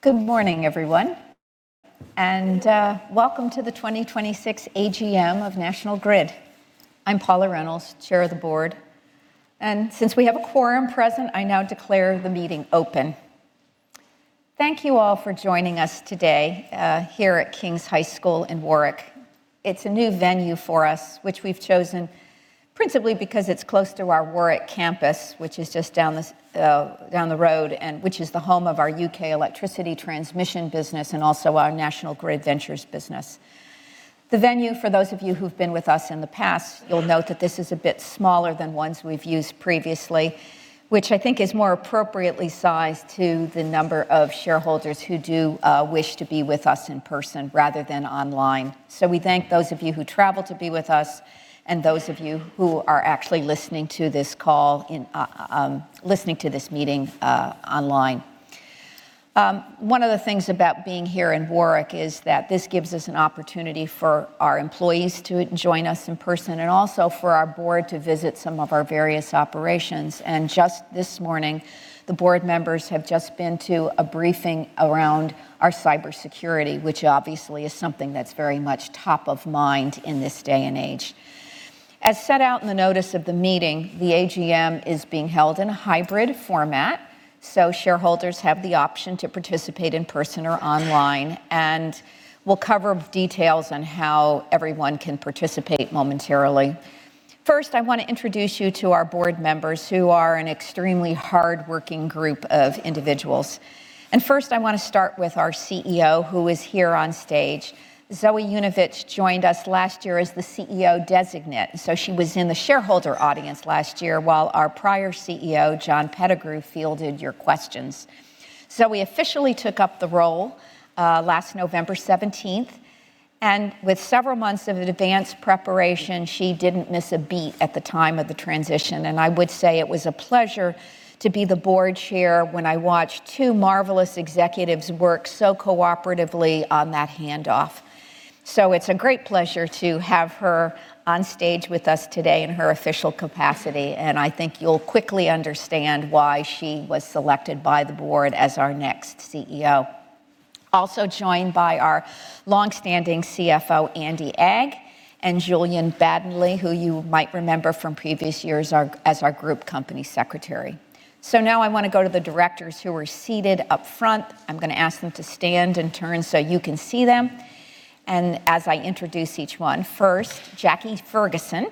Good morning, everyone, welcome to the 2026 AGM of National Grid. I'm Paula Reynolds, Chair of the Board, and since we have a quorum present, I now declare the meeting open. Thank you all for joining us today, here at King's High School in Warwick. It's a new venue for us, which we've chosen principally because it's close to our Warwick campus, which is just down the road, and which is the home of our U.K. electricity transmission business, and also our National Grid Ventures business. The venue, for those of you who've been with us in the past, you'll note that this is a bit smaller than ones we've used previously, which I think is more appropriately sized to the number of shareholders who do wish to be with us in person rather than online. We thank those of you who travel to be with us and those of you who are actually listening to this meeting online. One of the things about being here in Warwick is that this gives us an opportunity for our employees to join us in person and also for our Board to visit some of our various operations. Just this morning, the Board members have just been to a briefing around our cybersecurity, which obviously is something that's very much top of mind in this day and age. As set out in the notice of the meeting, the AGM is being held in a hybrid format, shareholders have the option to participate in person or online, and we'll cover details on how everyone can participate momentarily. First, I want to introduce you to our Board members who are an extremely hardworking group of individuals. First, I want to start with our CEO, who is here on stage. Zoë Yujnovich joined us last year as the CEO designate, she was in the shareholder audience last year while our prior CEO, John Pettigrew, fielded your questions. Zoë officially took up the role last November 17th, and with several months of advanced preparation, she didn't miss a beat at the time of the transition. I would say it was a pleasure to be the Board Chair when I watched two marvelous executives work so cooperatively on that handoff. It's a great pleasure to have her on stage with us today in her official capacity, and I think you'll quickly understand why she was selected by the Board as our next CEO. Also joined by our longstanding CFO, Andy Agg, and Julian Baddeley, who you might remember from previous years as our Group Company Secretary. Now I want to go to the Directors who are seated up front. I'm going to ask them to stand and turn so you can see them as I introduce each one. First, Jacqui Ferguson,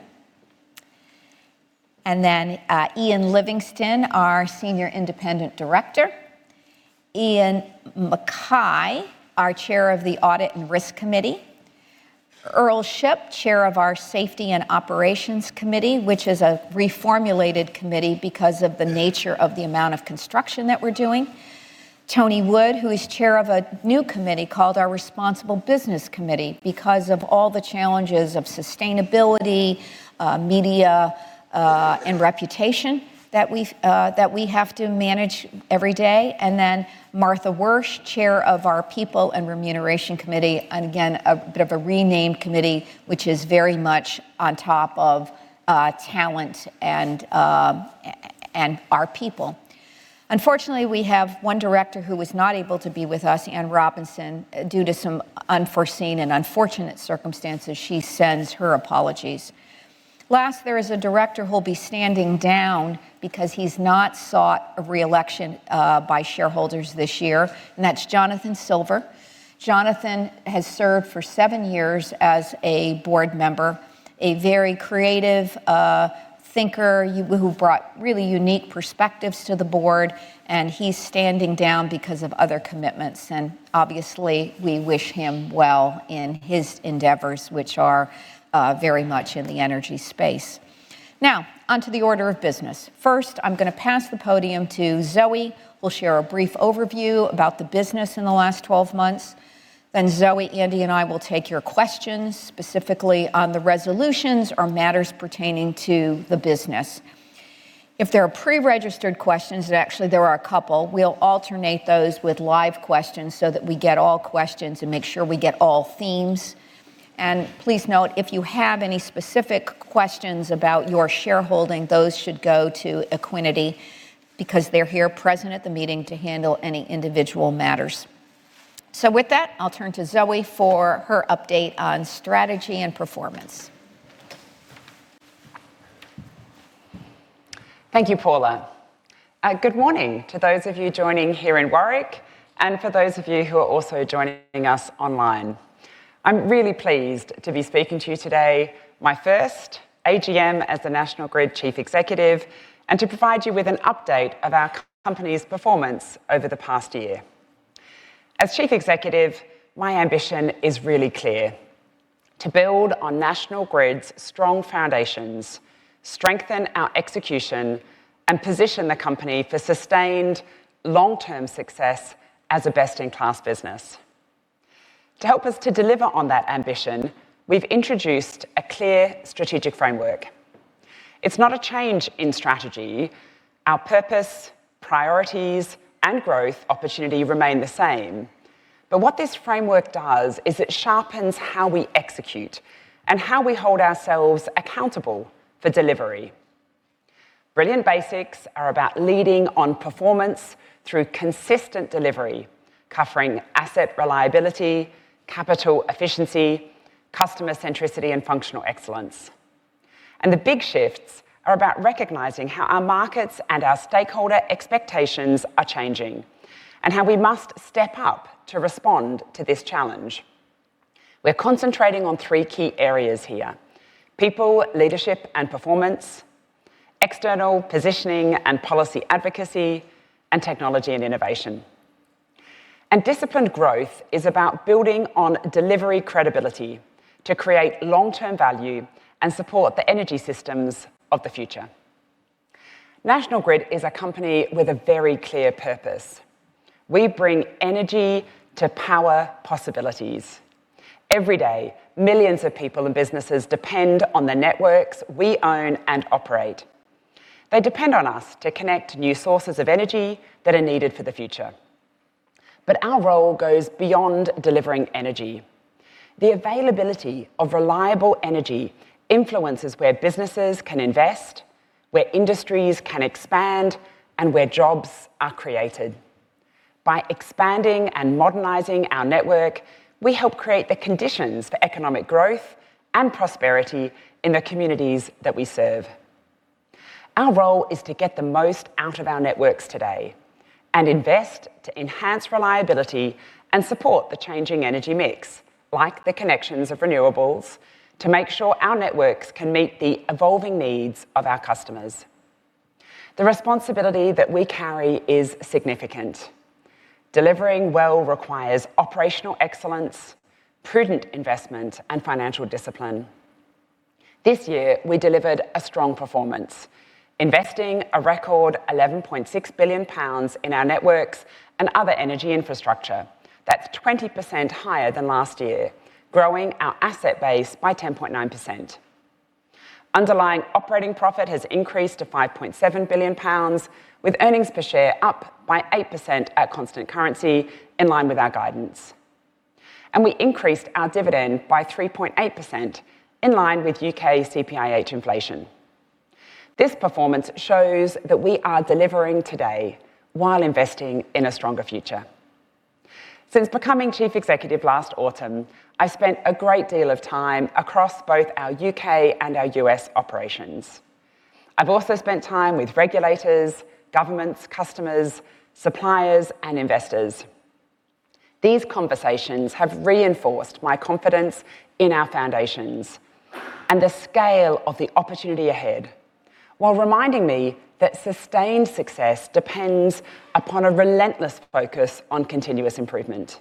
Ian Livingston, our Senior Independent Director. Iain Mackay, our Chair of the Audit and Risk Committee. Earl Shipp, Chair of our Safety and Operations Committee, which is a reformulated committee because of the nature of the amount of construction that we're doing. Tony Wood, who is Chair of a new committee called our Responsible Business Committee, because of all the challenges of sustainability, media, and reputation that we have to manage every day. Martha Wyrsch, Chair of our people and Remuneration Committee, and again, a bit of a renamed committee, which is very much on top of talent and our people. Unfortunately, we have one director who was not able to be with us, Anne Robinson, due to some unforeseen and unfortunate circumstances. She sends her apologies. There is a director who will be standing down because he's not sought a re-election by shareholders this year, and that's Jonathan Silver. Jonathan has served for seven years as a board member, a very creative thinker who brought really unique perspectives to the board, and he's standing down because of other commitments, and obviously we wish him well in his endeavors, which are very much in the energy space. Onto the order of business. I'm going to pass the podium to Zoë, who'll share a brief overview about the business in the last 12 months. Zoë, Andy, and I will take your questions, specifically on the resolutions or matters pertaining to the business. If there are pre-registered questions, actually, there are a couple, we'll alternate those with live questions so that we get all questions and make sure we get all themes. Please note, if you have any specific questions about your shareholding, those should go to Equiniti, because they're here present at the meeting to handle any individual matters. With that, I'll turn to Zoë for her update on strategy and performance. Thank you, Paula. Good morning to those of you joining here in Warwick and for those of you who are also joining us online. I'm really pleased to be speaking to you today, my first AGM as the National Grid Chief Executive, and to provide you with an update of our company's performance over the past year. As Chief Executive, my ambition is really clear: to build on National Grid's strong foundations, strengthen our execution, and position the company for sustained long-term success as a best-in-class business. To help us to deliver on that ambition, we've introduced a clear strategic framework. It's not a change in strategy. Our purpose, priorities, and growth opportunity remain the same. What this framework does is it sharpens how we execute and how we hold ourselves accountable for delivery. Brilliant Basics are about leading on performance through consistent delivery, covering asset reliability, capital efficiency, customer centricity, and functional excellence. The Big Shifts are about recognizing how our markets and our stakeholder expectations are changing, and how we must step up to respond to this challenge. We're concentrating on three key areas here. People, Leadership, and Performance, External Positioning and Policy Advocacy, and Technology and Innovation. Disciplined Growth is about building on delivery credibility to create long-term value and support the energy systems of the future. National Grid is a company with a very clear purpose. We bring energy to power possibilities. Every day, millions of people and businesses depend on the networks we own and operate. They depend on us to connect new sources of energy that are needed for the future. Our role goes beyond delivering energy. The availability of reliable energy influences where businesses can invest, where industries can expand, and where jobs are created. By expanding and modernizing our network, we help create the conditions for economic growth and prosperity in the communities that we serve. Our role is to get the most out of our networks today and invest to enhance reliability and support the changing energy mix, like the connections of renewables, to make sure our networks can meet the evolving needs of our customers. The responsibility that we carry is significant. Delivering well requires operational excellence, prudent investment, and financial discipline. This year, we delivered a strong performance, investing a record 11.6 billion pounds in our networks and other energy infrastructure. That's 20% higher than last year, growing our asset base by 10.9%. Underlying operating profit has increased to 5.7 billion pounds, with earnings per share up by 8% at constant currency, in line with our guidance. We increased our dividend by 3.8%, in line with U.K. CPIH inflation. This performance shows that we are delivering today while investing in a stronger future. Since becoming Chief Executive last autumn, I spent a great deal of time across both our U.K. and our U.S. operations. I've also spent time with regulators, governments, customers, suppliers, and investors. These conversations have reinforced my confidence in our foundations and the scale of the opportunity ahead, while reminding me that sustained success depends upon a relentless focus on continuous improvement.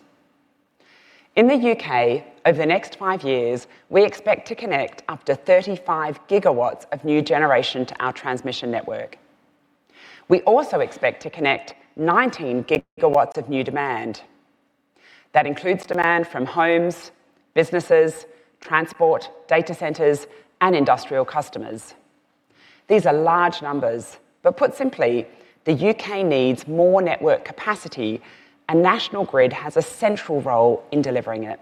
In the U.K., over the next five years, we expect to connect up to 35 GW of new generation to our transmission network. We also expect to connect 19 GW of new demand. That includes demand from homes, businesses, transport, data centers, and industrial customers. These are large numbers, but put simply, the U.K. needs more network capacity. National Grid has a central role in delivering it.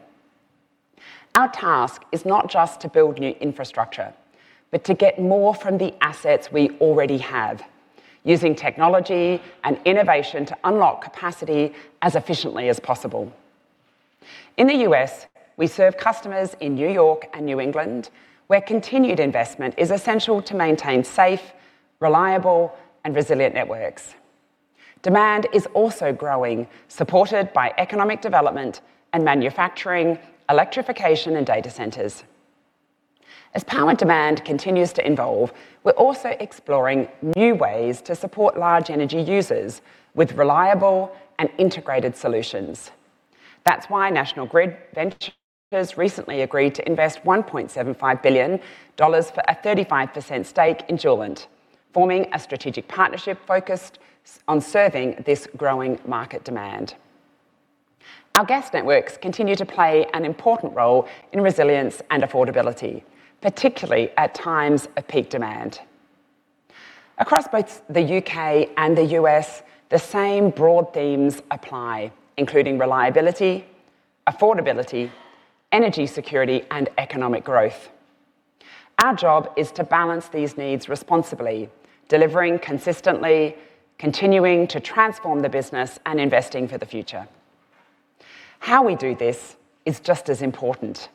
Our task is not just to build new infrastructure, but to get more from the assets we already have, using technology and innovation to unlock capacity as efficiently as possible. In the U.S., we serve customers in New York and New England, where continued investment is essential to maintain safe, reliable, and resilient networks. Demand is also growing, supported by economic development and manufacturing, electrification, and data centers. As power demand continues to evolve, we're also exploring new ways to support large energy users with reliable and integrated solutions. That's why National Grid Ventures recently agreed to invest $1.75 billion for a 35% stake in Joulent, forming a strategic partnership focused on serving this growing market demand. Our gas networks continue to play an important role in resilience and affordability, particularly at times of peak demand. Across both the U.K. and the U.S., the same broad themes apply, including reliability, affordability, energy security, and economic growth. Our job is to balance these needs responsibly, delivering consistently, continuing to transform the business, and investing for the future. How we do this is just as important.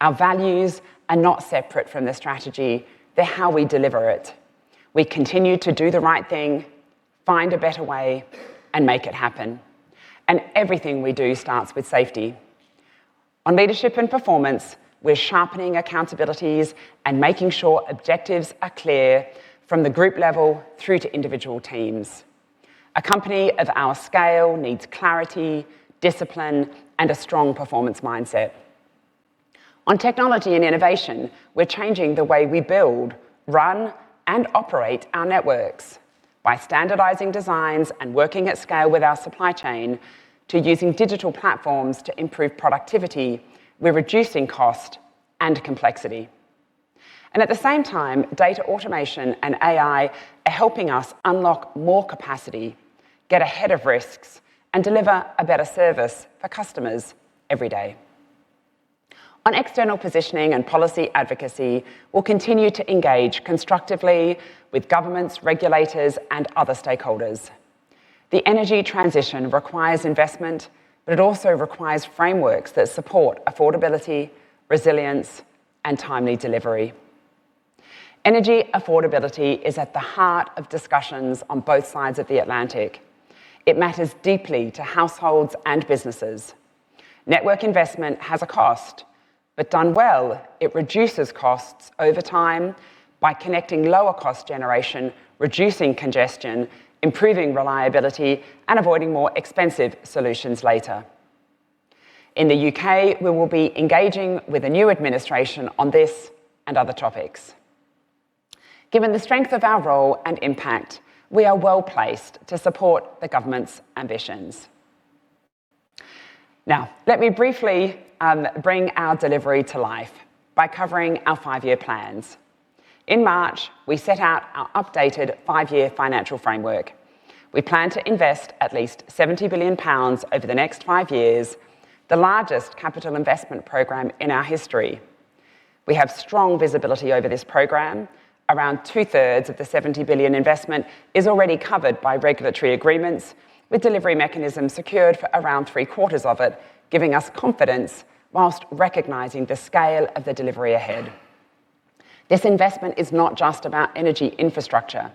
Our values are not separate from the strategy. They're how we deliver it. We continue to do the right thing, find a better way, and make it happen. Everything we do starts with safety. On leadership and performance, we're sharpening accountabilities and making sure objectives are clear from the group level through to individual teams. A company of our scale needs clarity, discipline, and a strong performance mindset. On technology and innovation, we're changing the way we build, run, and operate our networks. By standardizing designs and working at scale with our supply chain to using digital platforms to improve productivity, we're reducing cost and complexity. At the same time, data automation and AI are helping us unlock more capacity, get ahead of risks, and deliver a better service for customers every day. On external positioning and policy advocacy, we'll continue to engage constructively with governments, regulators, and other stakeholders. The energy transition requires investment, but it also requires frameworks that support affordability, resilience, and timely delivery. Energy affordability is at the heart of discussions on both sides of the Atlantic. It matters deeply to households and businesses. Network investment has a cost, but done well, it reduces costs over time by connecting lower-cost generation, reducing congestion, improving reliability, and avoiding more expensive solutions later. In the U.K., we will be engaging with the new administration on this and other topics. Given the strength of our role and impact, we are well-placed to support the government's ambitions. Now, let me briefly bring our delivery to life by covering our five-year plans. In March, we set out our updated five-year financial framework. We plan to invest at least 70 billion pounds over the next five years, the largest capital investment program in our history. We have strong visibility over this program. Around two-thirds of the 70 billion investment is already covered by regulatory agreements, with delivery mechanisms secured for around three-quarters of it, giving us confidence whilst recognizing the scale of the delivery ahead. This investment is not just about energy infrastructure.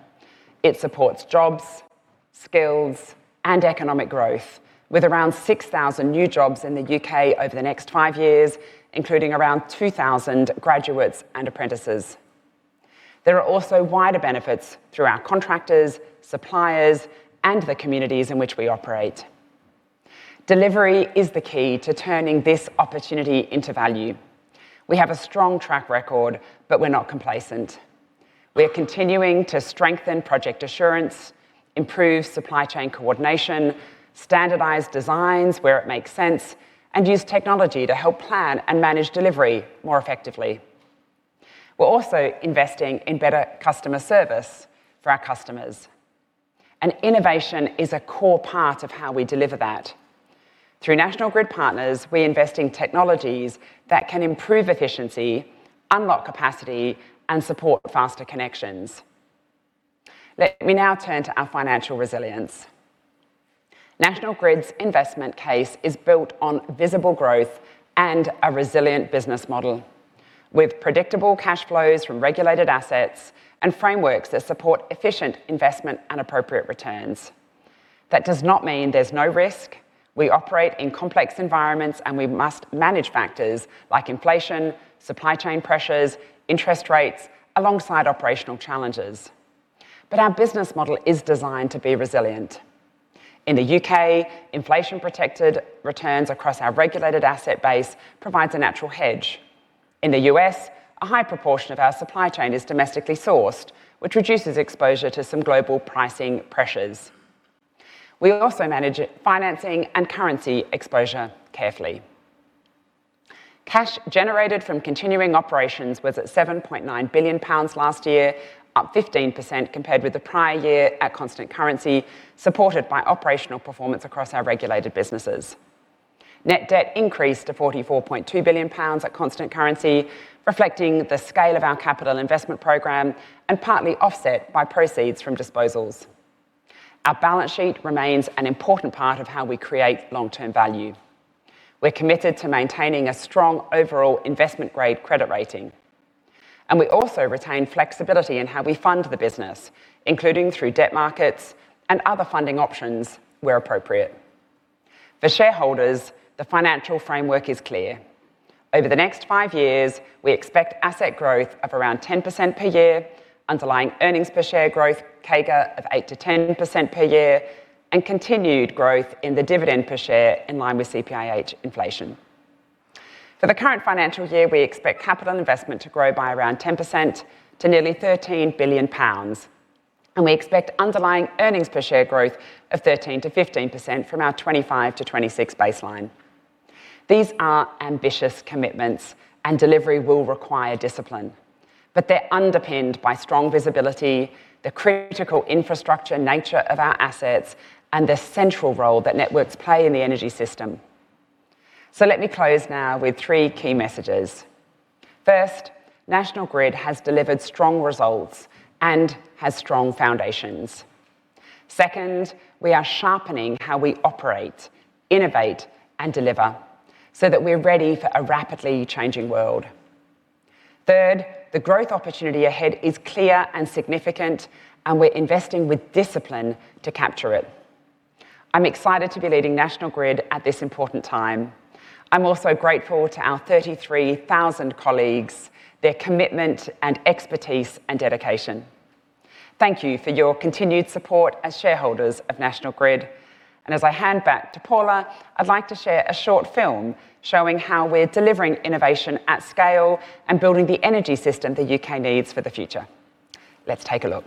It supports jobs, skills, and economic growth with around 6,000 new jobs in the U.K. over the next five years, including around 2,000 graduates and apprentices. There are also wider benefits through our contractors, suppliers, and the communities in which we operate. Delivery is the key to turning this opportunity into value. We have a strong track record, but we're not complacent. We are continuing to strengthen project assurance, improve supply chain coordination, standardize designs where it makes sense, and use technology to help plan and manage delivery more effectively. We're also investing in better customer service for our customers. Innovation is a core part of how we deliver that. Through National Grid Partners, we invest in technologies that can improve efficiency, unlock capacity, and support faster connections. Let me now turn to our financial resilience. National Grid's investment case is built on visible growth and a resilient business model with predictable cash flows from regulated assets and frameworks that support efficient investment and appropriate returns. That does not mean there's no risk. We operate in complex environments, and we must manage factors like inflation, supply chain pressures, interest rates, alongside operational challenges. But our business model is designed to be resilient. In the U.K., inflation-protected returns across our regulated asset base provides a natural hedge. In the U.S., a high proportion of our supply chain is domestically sourced, which reduces exposure to some global pricing pressures. We also manage financing and currency exposure carefully. Cash generated from continuing operations was at 7.9 billion pounds last year, up 15% compared with the prior year at constant currency, supported by operational performance across our regulated businesses. Net debt increased to 44.2 billion pounds at constant currency, reflecting the scale of our capital investment program and partly offset by proceeds from disposals. Our balance sheet remains an important part of how we create long-term value. We're committed to maintaining a strong overall investment-grade credit rating. We also retain flexibility in how we fund the business, including through debt markets and other funding options where appropriate. For shareholders, the financial framework is clear. Over the next five years, we expect asset growth of around 10% per year, underlying earnings per share growth CAGR of 8%-10% per year, and continued growth in the dividend per share in line with CPIH inflation. For the current financial year, we expect capital investment to grow by around 10% to nearly 13 billion pounds. We expect underlying earnings per share growth of 13%-15% from our 2025-2026 baseline. These are ambitious commitments, and delivery will require discipline, but they're underpinned by strong visibility, the critical infrastructure nature of our assets, and the central role that networks play in the energy system. Let me close now with three key messages. First, National Grid has delivered strong results and has strong foundations. Second, we are sharpening how we operate, innovate, and deliver so that we're ready for a rapidly changing world. Third, the growth opportunity ahead is clear and significant, and we're investing with discipline to capture it. I'm excited to be leading National Grid at this important time. I'm also grateful to our 33,000 colleagues, their commitment and expertise, and dedication. Thank you for your continued support as shareholders of National Grid. As I hand back to Paula, I'd like to share a short film showing how we're delivering innovation at scale and building the energy system the U.K. needs for the future. Let's take a look.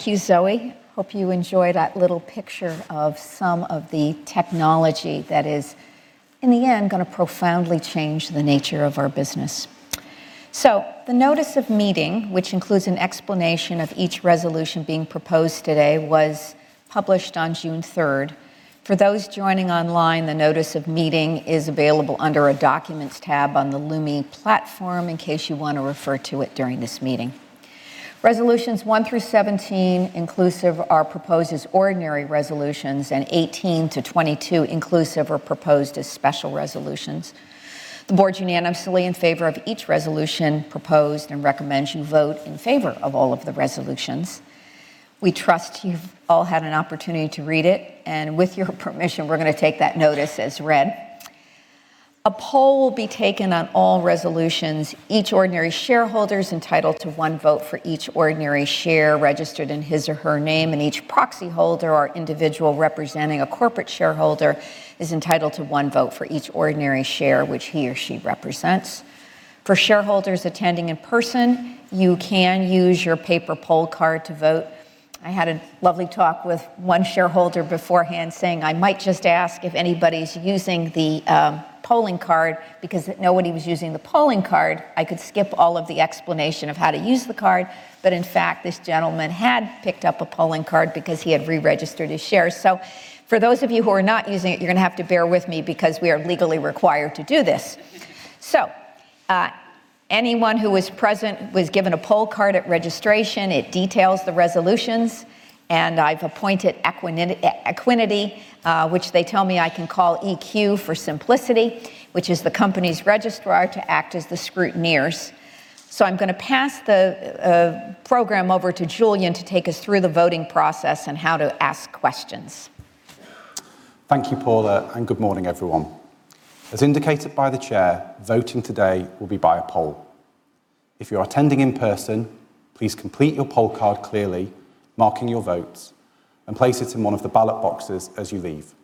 Thank you, Zoë. Hope you enjoy that little picture of some of the technology that is, in the end, going to profoundly change the nature of our business. The notice of meeting, which includes an explanation of each resolution being proposed today, was published on June 3rd. For those joining online, the notice of meeting is available under a Documents tab on the Lumi platform in case you want to refer to it during this meeting. Resolutions 1 through 17 inclusive are proposed as ordinary resolutions, and 18-22 inclusive are proposed as special resolutions. The board is unanimously in favor of each resolution proposed and recommends you vote in favor of all of the resolutions. We trust you've all had an opportunity to read it, and with your permission, we're going to take that notice as read. A poll will be taken on all resolutions. Each ordinary shareholder is entitled to one vote for each ordinary share registered in his or her name, and each proxyholder or individual representing a corporate shareholder is entitled to one vote for each ordinary share which he or she represents. For shareholders attending in person, you can use your paper poll card to vote. I had a lovely talk with one shareholder beforehand saying I might just ask if anybody's using the polling card because nobody was using the polling card. I could skip all of the explanation of how to use the card, but in fact, this gentleman had picked up a polling card because he had reregistered his shares. For those of you who are not using it, you're going to have to bear with me because we are legally required to do this. Anyone who was present was given a poll card at registration. It details the resolutions, and I've appointed Equiniti, which they tell me I can call EQ for simplicity, which is the company's registrar, to act as the scrutineers. I'm going to pass the program over to Julian to take us through the voting process and how to ask questions. Thank you, Paula, and good morning, everyone. As indicated by the chair, voting today will be by a poll. If you are attending in person, please complete your poll card clearly marking your votes and place it in one of the ballot boxes as you leave.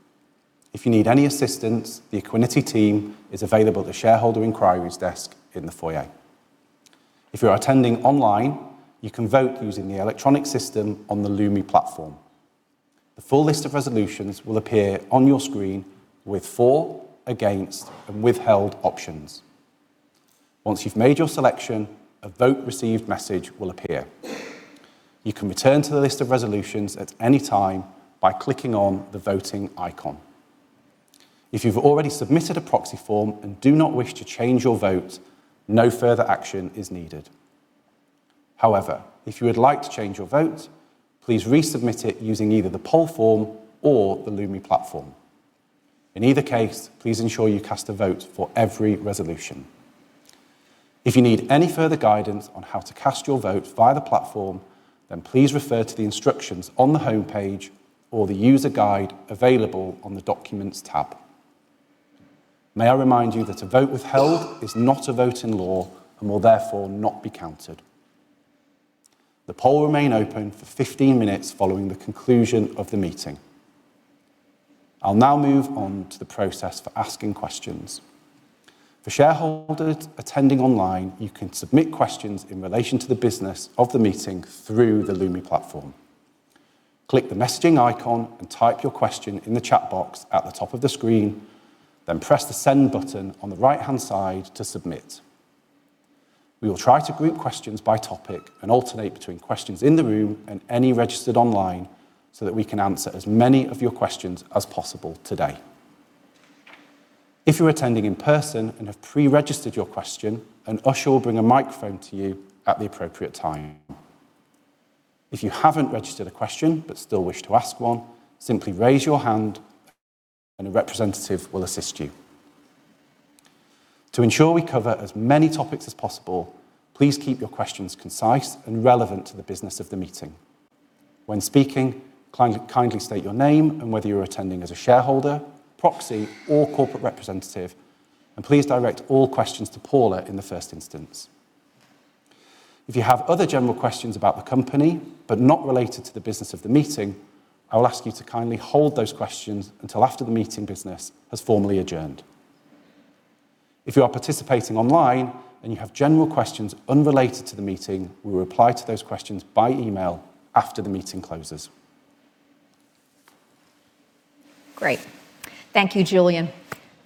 If you need any assistance, the Equiniti team is available at the shareholder inquiries desk in the foyer. If you are attending online, you can vote using the electronic system on the Lumi platform. The full list of resolutions will appear on your screen with For, Against, and Withheld options. Once you've made your selection, a Vote Received message will appear. You can return to the list of resolutions at any time by clicking on the Voting icon. If you've already submitted a proxy form and do not wish to change your vote, no further action is needed. However, if you would like to change your vote, please resubmit it using either the poll form or the Lumi platform. In either case, please ensure you cast a vote for every resolution. If you need any further guidance on how to cast your vote via the platform, please refer to the instructions on the homepage or the user guide available on the Documents tab. May I remind you that a vote withheld is not a vote in law and will therefore not be counted. The poll will remain open for 15 minutes following the conclusion of the meeting. I'll now move on to the process for asking questions. For shareholders attending online, you can submit questions in relation to the business of the meeting through the Lumi platform. Click the messaging icon and type your question in the chat box at the top of the screen. Press the send button on the right-hand side to submit. We will try to group questions by topic and alternate between questions in the room and any registered online so that we can answer as many of your questions as possible today. If you're attending in person and have pre-registered your question, an usher will bring a microphone to you at the appropriate time. If you haven't registered a question but still wish to ask one, simply raise your hand and a representative will assist you. To ensure we cover as many topics as possible, please keep your questions concise and relevant to the business of the meeting. When speaking, kindly state your name and whether you're attending as a shareholder, proxy, or corporate representative. Please direct all questions to Paula in the first instance. If you have other general questions about the company, not related to the business of the meeting, I will ask you to kindly hold those questions until after the meeting business has formally adjourned. If you are participating online, you have general questions unrelated to the meeting, we will reply to those questions by email after the meeting closes. Great. Thank you, Julian.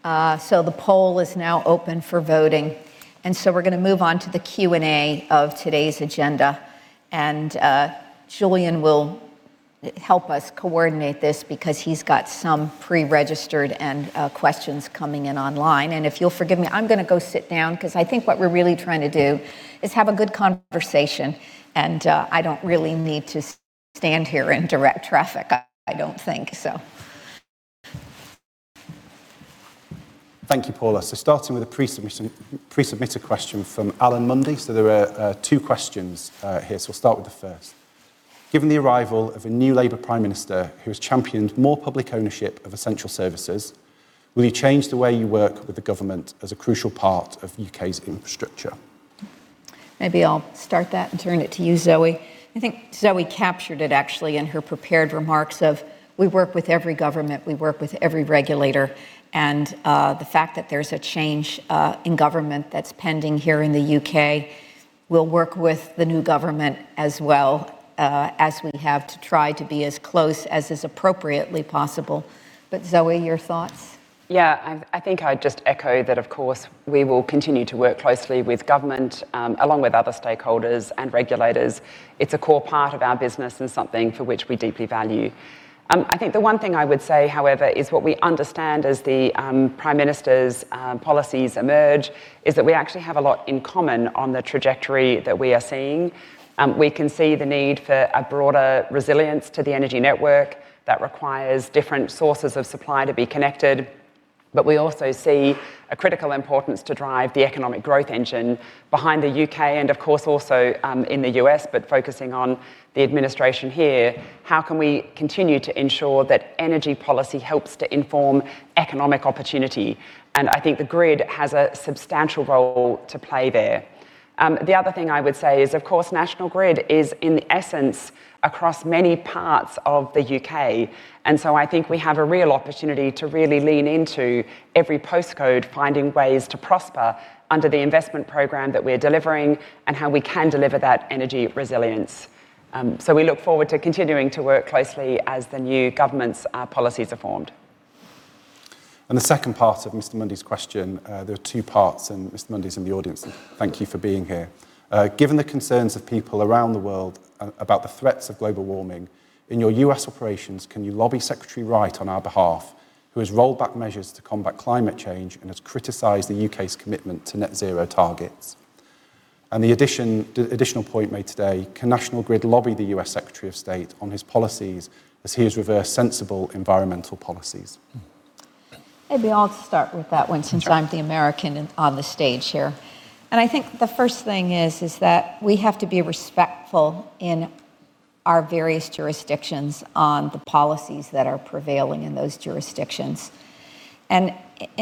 The poll is now open for voting, and we're going to move on to the Q&A of today's agenda. Julian will help us coordinate this, because he's got some pre-registered and questions coming in online. If you'll forgive me, I'm going to go sit down, because I think what we're really trying to do is have a good conversation, and I don't really need to stand here in direct traffic, I don't think so. Thank you, Paula. Starting with a pre-submitted question from Alan Mundey. There are two questions here. We'll start with the first. Given the arrival of a new Labor prime minister who has championed more public ownership of essential services, will you change the way you work with the government as a crucial part of the U.K.'s infrastructure? Maybe I'll start that and turn it to you, Zoë. I think Zoë captured it, actually, in her prepared remarks of, we work with every government, we work with every regulator, and the fact that there's a change in government that's pending here in the U.K., we'll work with the new government as well, as we have to try to be as close as is appropriately possible. Zoë, your thoughts? Yeah, I think I'd just echo that, of course, we will continue to work closely with government, along with other stakeholders and regulators. It's a core part of our business and something for which we deeply value. I think the one thing I would say, however, is what we understand as the Prime Minister's policies emerge, is that we actually have a lot in common on the trajectory that we are seeing. We can see the need for a broader resilience to the energy network that requires different sources of supply to be connected. We also see a critical importance to drive the economic growth engine behind the U.K. and, of course, also in the U.S., but focusing on the administration here. How can we continue to ensure that energy policy helps to inform economic opportunity? I think the grid has a substantial role to play there. The other thing I would say is, of course, National Grid is, in essence, across many parts of the U.K. I think we have a real opportunity to really lean into every postcode, finding ways to prosper under the investment program that we're delivering and how we can deliver that energy resilience. We look forward to continuing to work closely as the new government's policies are formed. The second part of Mr. Mundey's question, there are two parts, and Mr. Mundey's in the audience. Thank you for being here. Given the concerns of people around the world about the threats of global warming, in your U.S. operations, can you lobby Secretary Wright on our behalf, who has rolled back measures to combat climate change and has criticized the U.K.'s commitment to net zero targets? The additional point made today, can National Grid lobby the U.S. Secretary of State on his policies as he has reversed sensible environmental policies? Maybe I'll start with that one since I'm the American on the stage here. I think the first thing is, we have to be respectful in our various jurisdictions on the policies that are prevailing in those jurisdictions. In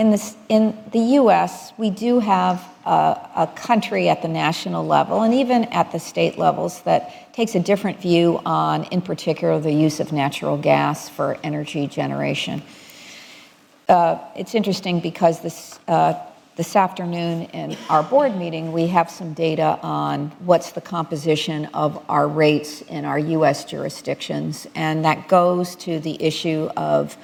the U.S., we do have a country at the national level, and even at the state levels, that takes a different view on, in particular, the use of natural gas for energy generation. It's interesting because this afternoon in our board meeting, we have some data on what's the composition of our rates in our U.S. jurisdictions, and that goes to the issue of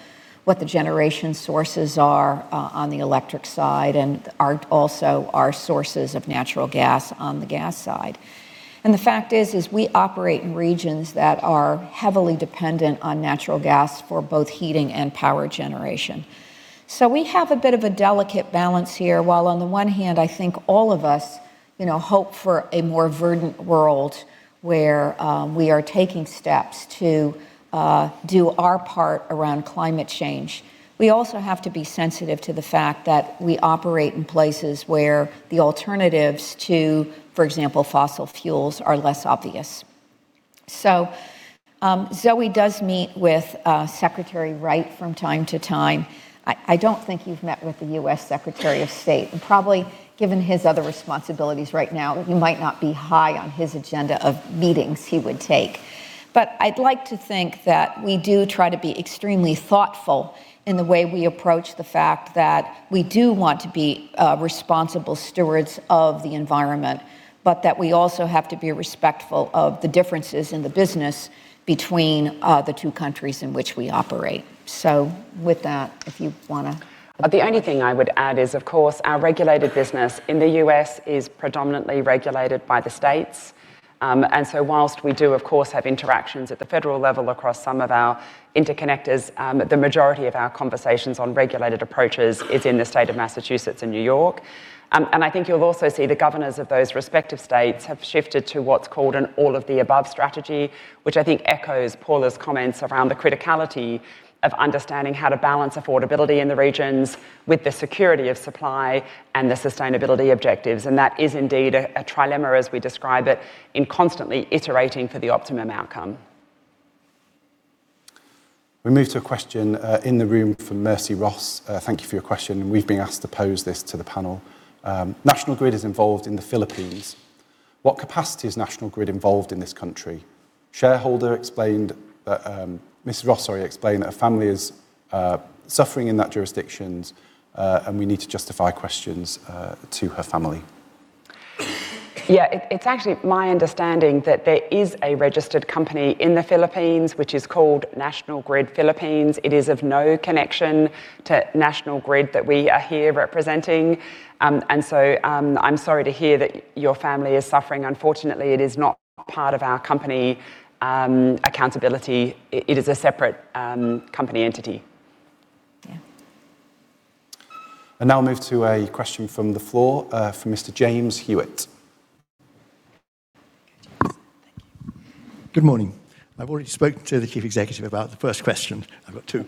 what the generation sources are on the electric side and also our sources of natural gas on the gas side. The fact is, we operate in regions that are heavily dependent on natural gas for both heating and power generation. We have a bit of a delicate balance here. While on the one hand, I think all of us hope for a more verdant world where we are taking steps to do our part around climate change. We also have to be sensitive to the fact that we operate in places where the alternatives to, for example, fossil fuels, are less obvious. Zoë does meet with Secretary Wright from time to time. I don't think you've met with the U.S. Secretary of State, and probably given his other responsibilities right now, you might not be high on his agenda of meetings he would take. I'd like to think that we do try to be extremely thoughtful in the way we approach the fact that we do want to be responsible stewards of the environment, but that we also have to be respectful of the differences in the business between the two countries in which we operate. With that, if you want to The only thing I would add is, of course, our regulated business in the U.S. is predominantly regulated by the states. Whilst we do, of course, have interactions at the federal level across some of our interconnectors, the majority of our conversations on regulated approaches is in the state of Massachusetts and New York. I think you'll also see the governors of those respective states have shifted to what's called an all-of-the-above strategy, which I think echoes Paula's comments around the criticality of understanding how to balance affordability in the regions with the security of supply and the sustainability objectives. That is indeed a trilemma, as we describe it, in constantly iterating for the optimum outcome. We move to a question in the room from Mercy Ross. Thank you for your question. We've been asked to pose this to the panel. National Grid is involved in the Philippines. What capacity is National Grid involved in this country? Ms. Ross explained that her family is suffering in that jurisdiction. We need to justify questions to her family. Yeah. It's actually my understanding that there is a registered company in the Philippines, which is called National Grid Philippines. It is of no connection to National Grid that we are here representing. I'm sorry to hear that your family is suffering. Unfortunately, it is not part of our company accountability. It is a separate company entity. Now we move to a question from the floor, from Mr. James Hewitt. Good morning. I've already spoken to the Chief Executive about the first question. I've got two.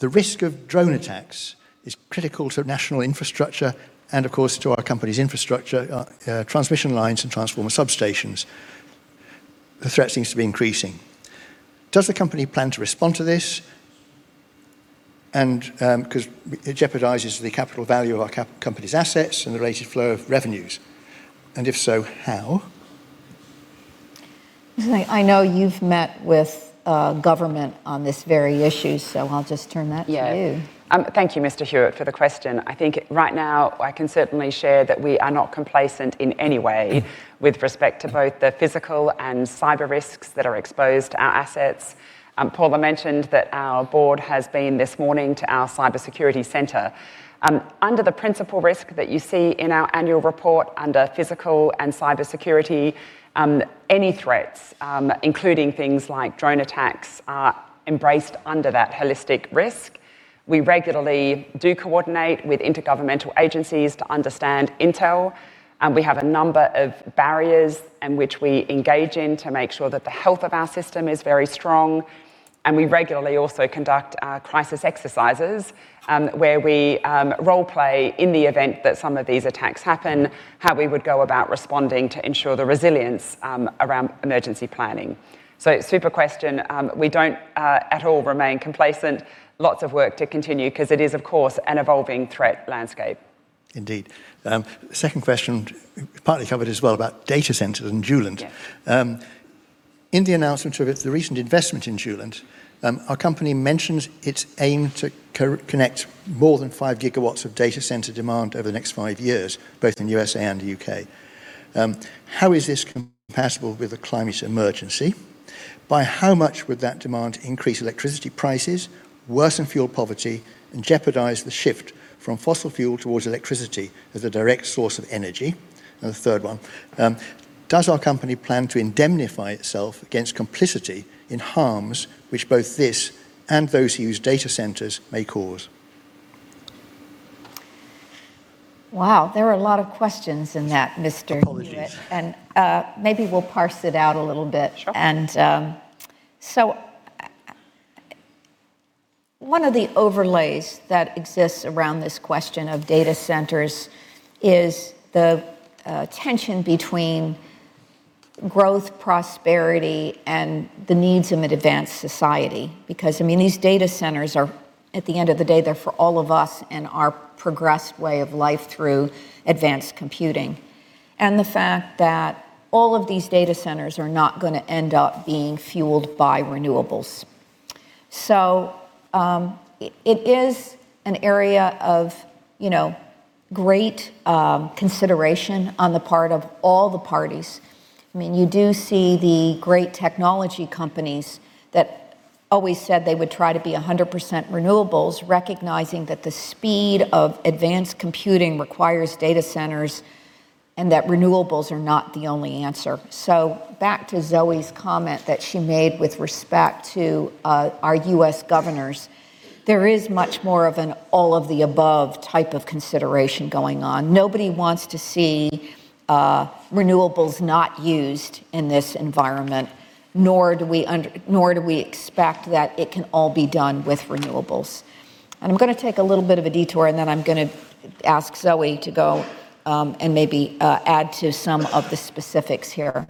The risk of drone attacks is critical to national infrastructure, and of course, to our company's infrastructure, transmission lines, and transformer substations. The threat seems to be increasing. Does the company plan to respond to this? Because it jeopardizes the capital value of our company's assets and the related flow of revenues. If so, how? Zoë, I know you've met with government on this very issue, I'll just turn that to you. Thank you, Mr. Hewitt, for the question. I think right now, I can certainly share that we are not complacent in any way with respect to both the physical and cyber risks that are exposed to our assets. Paula mentioned that our board has been this morning to our cybersecurity center. Under the principal risk that you see in our annual report under physical and cybersecurity, any threats, including things like drone attacks, are embraced under that holistic risk. We regularly do coordinate with intergovernmental agencies to understand intel. We have a number of barriers in which we engage in to make sure that the health of our system is very strong, and we regularly also conduct crisis exercises, where we role-play in the event that some of these attacks happen, how we would go about responding to ensure the resilience around emergency planning. Super question. We don't at all remain complacent. Lots of work to continue because it is, of course, an evolving threat landscape. Indeed. Second question, partly covered as well, about data centers and Joulent. Yeah. In the announcement of the recent investment in Joulent, our company mentions its aim to connect more than 5 GW of data center demand over the next five years, both in the U.S.A. and the U.K. How is this compatible with the climate emergency? By how much would that demand increase electricity prices, worsen fuel poverty, and jeopardize the shift from fossil fuel towards electricity as a direct source of energy? The third one, does our company plan to indemnify itself against complicity in harms which both this and those who use data centers may cause? Wow, there are a lot of questions in that, Mr. Hewitt. Apologies. Maybe we'll parse it out a little bit. Sure. One of the overlays that exists around this question of data centers is the tension between growth, prosperity, and the needs of an advanced society. These data centers are, at the end of the day, they're for all of us and our progressed way of life through advanced computing. The fact that all of these data centers are not going to end up being fueled by renewables. It is an area of great consideration on the part of all the parties. You do see the great technology companies that always said they would try to be 100% renewables, recognizing that the speed of advanced computing requires data centers and that renewables are not the only answer. Back to Zoë's comment that she made with respect to our U.S. governors, there is much more of an all-of-the-above type of consideration going on. Nobody wants to see renewables not used in this environment, nor do we expect that it can all be done with renewables. I'm going to take a little bit of a detour, then I'm going to ask Zoë to go and maybe add to some of the specifics here.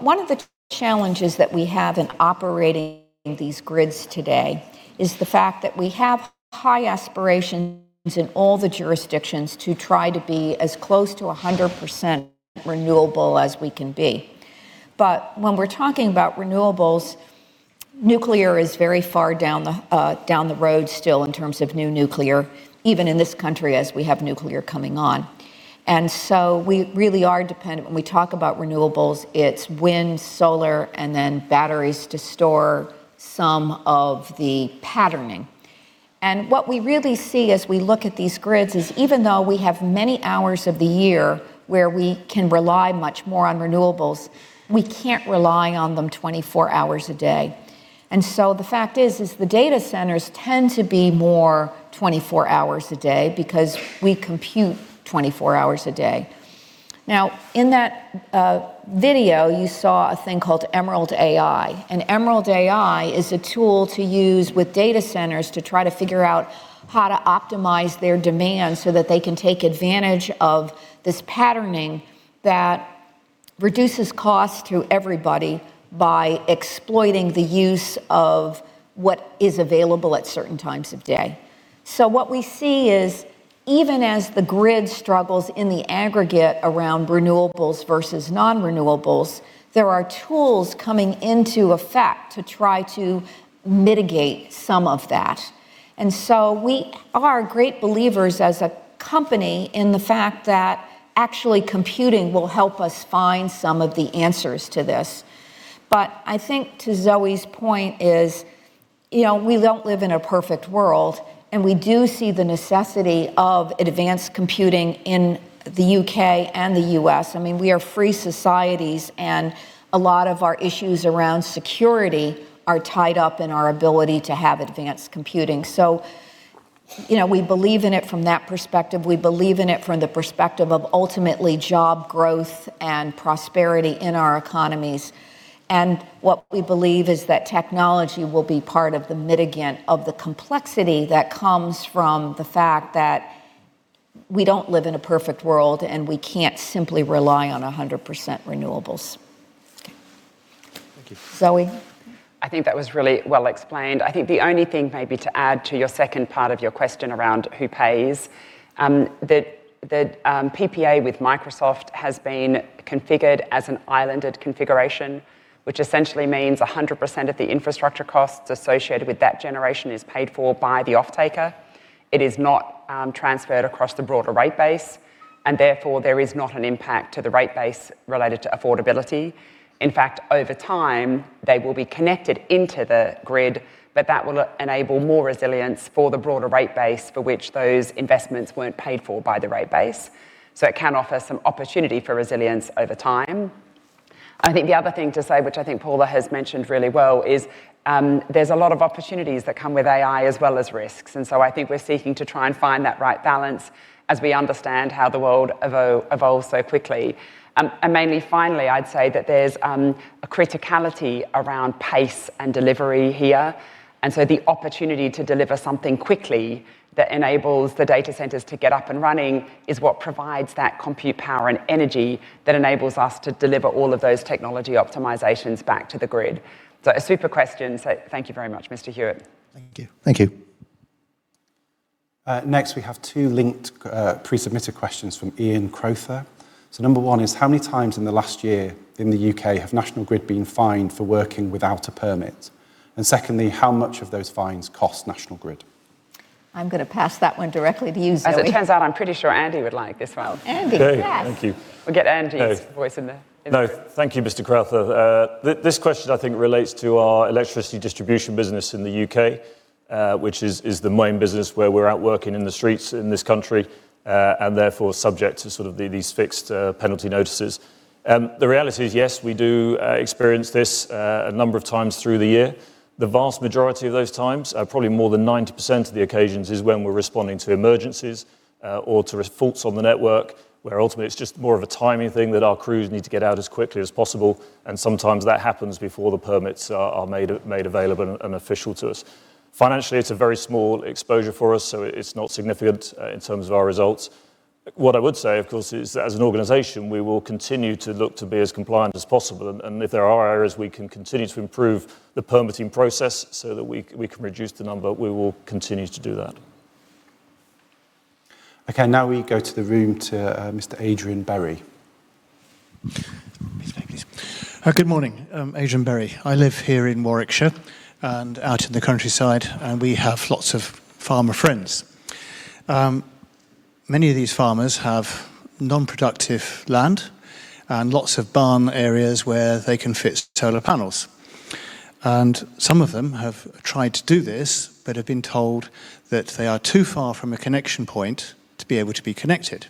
One of the challenges that we have in operating these grids today is the fact that we have high aspirations in all the jurisdictions to try to be as close to 100% renewable as we can be. When we're talking about renewables, nuclear is very far down the road still in terms of new nuclear, even in this country as we have nuclear coming on. We really are dependent. When we talk about renewables, it's wind, solar, and then batteries to store some of the patterning. What we really see as we look at these grids is even though we have many hours of the year where we can rely much more on renewables, we can't rely on them 24 hours a day. The fact is, the data centers tend to be more 24 hours a day because we compute 24 hours a day. Now, in that video, you saw a thing called Emerald AI, and Emerald AI is a tool to use with data centers to try to figure out how to optimize their demand so that they can take advantage of this patterning that reduces cost to everybody by exploiting the use of what is available at certain times of day. What we see is even as the grid struggles in the aggregate around renewables versus non-renewables, there are tools coming into effect to try to mitigate some of that. We are great believers as a company in the fact that actually computing will help us find some of the answers to this. I think to Zoë's point is, we don't live in a perfect world, and we do see the necessity of advanced computing in the U.K. and the U.S. We are free societies, and a lot of our issues around security are tied up in our ability to have advanced computing. We believe in it from that perspective. We believe in it from the perspective of ultimately job growth and prosperity in our economies. What we believe is that technology will be part of the mitigant of the complexity that comes from the fact that we don't live in a perfect world and we can't simply rely on 100% renewables. Thank you. Zoë? I think that was really well explained. I think the only thing maybe to add to your second part of your question around who pays, that PPA with Microsoft has been configured as an islanded configuration, which essentially means 100% of the infrastructure costs associated with that generation is paid for by the offtaker. It is not transferred across the broader rate base, therefore, there is not an impact to the rate base related to affordability. In fact, over time, they will be connected into the grid, that will enable more resilience for the broader rate base for which those investments weren't paid for by the rate base. It can offer some opportunity for resilience over time. I think the other thing to say, which I think Paula has mentioned really well, is there's a lot of opportunities that come with AI as well as risks. I think we're seeking to try and find that right balance as we understand how the world evolves so quickly. Mainly finally, I'd say that there's a criticality around pace and delivery here. The opportunity to deliver something quickly that enables the data centers to get up and running is what provides that compute power and energy that enables us to deliver all of those technology optimizations back to the grid. A super question. Thank you very much, Mr. Hewitt. Thank you. Next, we have two linked pre-submitted questions from Ian Crowther. Number one is, how many times in the last year in the U.K. have National Grid been fined for working without a permit? Secondly, how much of those fines cost National Grid? I'm going to pass that one directly to you, Zoë. As it turns out, I'm pretty sure Andy would like this one. Andy, yes. We'll get Andy's- Hey voice in there. No, thank you, Mr. Ian Crowther. This question, I think, relates to our electricity distribution business in the U.K., which is the main business where we're out working in the streets in this country, and therefore, subject to sort of these fixed penalty notices. The reality is, yes, we do experience this a number of times through the year. The vast majority of those times, probably more than 90% of the occasions, is when we're responding to emergencies or to faults on the network, where ultimately it's just more of a timing thing that our crews need to get out as quickly as possible, and sometimes that happens before the permits are made available and official to us. Financially, it's a very small exposure for us, so it's not significant in terms of our results. What I would say, of course, is that as an organization, we will continue to look to be as compliant as possible. If there are areas we can continue to improve the permitting process so that we can reduce the number, we will continue to do that. Okay, now we go to the room to Mr. Adrian Berry. Please, mate, please. Good morning. Adrian Berry. I live here in Warwickshire and out in the countryside, and we have lots of farmer friends. Many of these farmers have non-productive land and lots of barn areas where they can fit solar panels. Some of them have tried to do this but have been told that they are too far from a connection point to be able to be connected.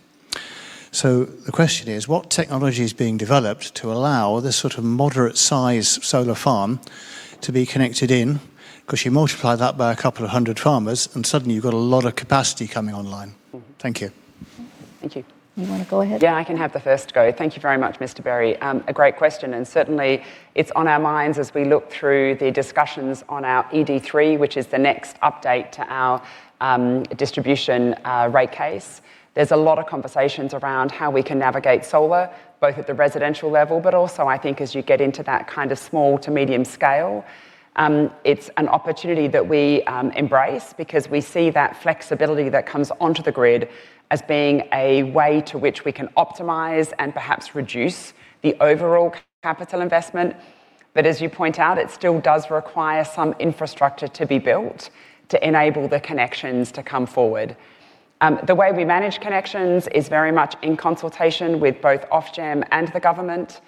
The question is, what technology is being developed to allow this sort of moderate size solar farm to be connected in, because you multiply that by a couple of 100 farmers, and suddenly you've got a lot of capacity coming online. Thank you. Thank you. You want to go ahead? Yeah, I can have the first go. Thank you very much, Mr. Berry. A great question, and certainly it's on our minds as we look through the discussions on our ED3, which is the next update to our distribution rate case. There's a lot of conversations around how we can navigate solar, both at the residential level, but also I think as you get into that kind of small to medium scale. It's an opportunity that we embrace because we see that flexibility that comes onto the grid as being a way to which we can optimize and perhaps reduce the overall capital investment. As you point out, it still does require some infrastructure to be built to enable the connections to come forward. The way we manage connections is very much in consultation with both Ofgem and the government.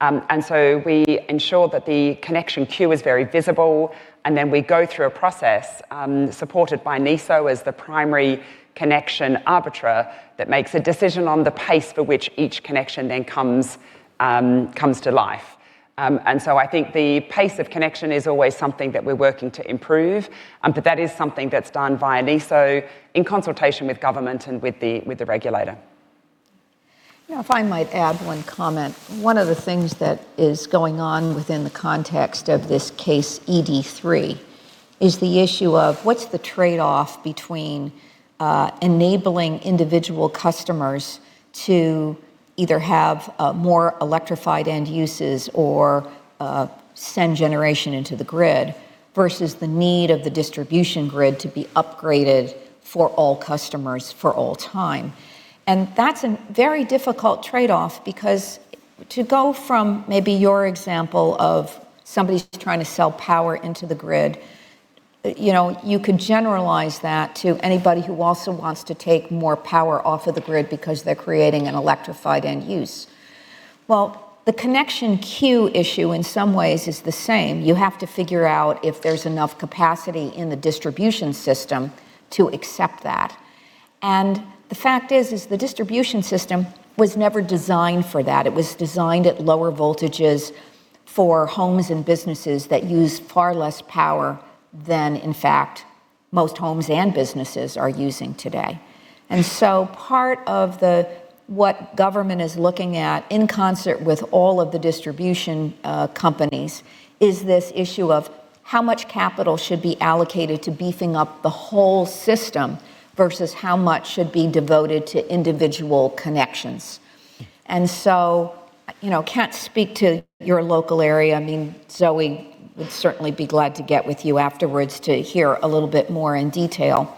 We ensure that the connection queue is very visible, and then we go through a process, supported by NESO as the primary connection arbiter, that makes a decision on the pace for which each connection then comes to life. I think the pace of connection is always something that we're working to improve, but that is something that's done via NESO in consultation with government and with the regulator. If I might add one comment. One of the things that is going on within the context of this case, ED3 is the issue of what's the trade-off between enabling individual customers to either have more electrified end uses or send generation into the grid, versus the need of the distribution grid to be upgraded for all customers for all time. That's a very difficult trade-off because to go from maybe your example of somebody trying to sell power into the grid, you could generalize that to anybody who also wants to take more power off of the grid because they're creating an electrified end use. The connection queue issue in some ways is the same. You have to figure out if there's enough capacity in the distribution system to accept that. The fact is, the distribution system was never designed for that. It was designed at lower voltages for homes and businesses that use far less power than in fact, most homes and businesses are using today. Part of what government is looking at in concert with all of the distribution companies is this issue of how much capital should be allocated to beefing up the whole system versus how much should be devoted to individual connections. Can't speak to your local area. I mean, Zoë would certainly be glad to get with you afterwards to hear a little bit more in detail.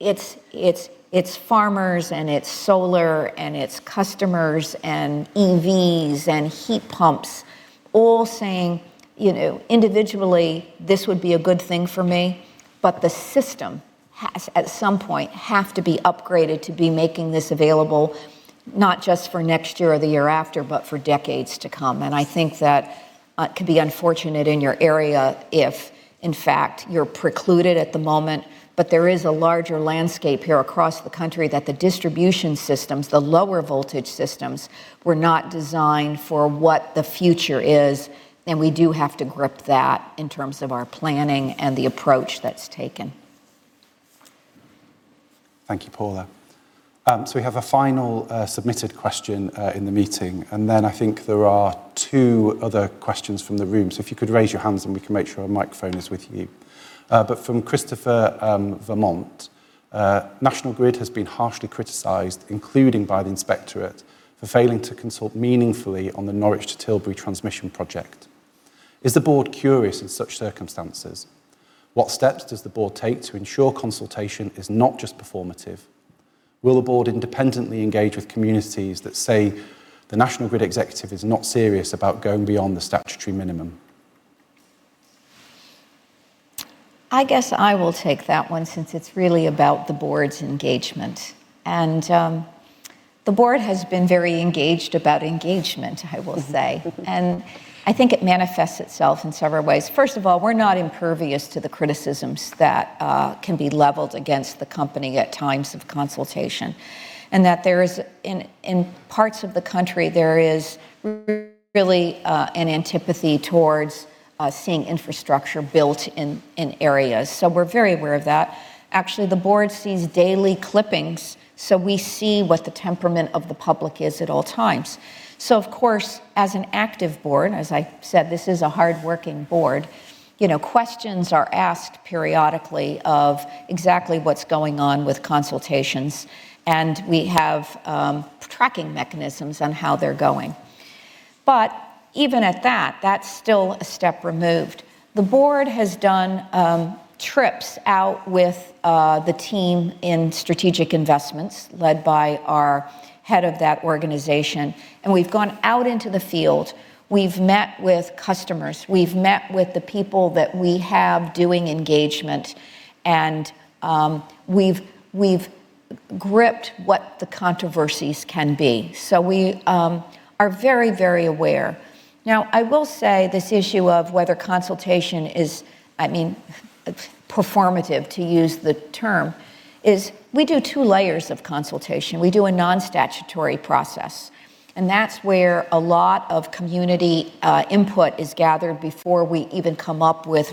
It's farmers and it's solar and it's customers and EVs and heat pumps all saying, "Individually, this would be a good thing for me," but the system has, at some point, have to be upgraded to be making this available, not just for next year or the year after, but for decades to come. I think that could be unfortunate in your area if, in fact, you're precluded at the moment. There is a larger landscape here across the country that the distribution systems, the lower voltage systems, were not designed for what the future is. We do have to grip that in terms of our planning and the approach that's taken. Thank you, Paula. We have a final submitted question in the meeting, then I think there are two other questions from the room. If you could raise your hands, and we can make sure a microphone is with you. From Christopher Vermont, National Grid has been harshly criticized, including by the Inspectorate, for failing to consult meaningfully on the Norwich to Tilbury transmission project. Is the board curious in such circumstances? What steps does the board take to ensure consultation is not just performative? Will the board independently engage with communities that say the National Grid executive is not serious about going beyond the statutory minimum? I guess I will take that one since it's really about the board's engagement. The board has been very engaged about engagement, I will say. I think it manifests itself in several ways. First of all, we're not impervious to the criticisms that can be leveled against the company at times of consultation. There is, in parts of the country, there is really an antipathy towards seeing infrastructure built in areas. We're very aware of that. Actually, the board sees daily clippings, so we see what the temperament of the public is at all times. Of course, as an active board, as I said, this is a hardworking board, questions are asked periodically of exactly what's going on with consultations. We have tracking mechanisms on how they're going. Even at that's still a step removed. The board has done trips out with the team in strategic investments led by our head of that organization. We've gone out into the field. We've met with customers. We've met with the people that we have doing engagement, and we've gripped what the controversies can be. We are very aware. Now, I will say this issue of whether consultation is, I mean, performative, to use the term, is we do two layers of consultation. We do a non-statutory process, and that's where a lot of community input is gathered before we even come up with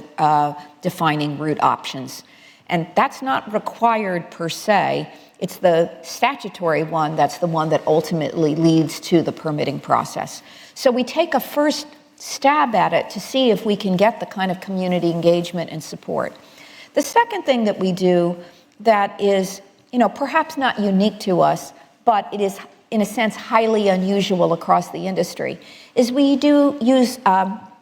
defining route options. That's not required, per se. It's the statutory one that's the one that ultimately leads to the permitting process. We take a first stab at it to see if we can get the kind of community engagement and support. The second thing that we do that is perhaps not unique to us, but it is, in a sense, highly unusual across the industry, is we do use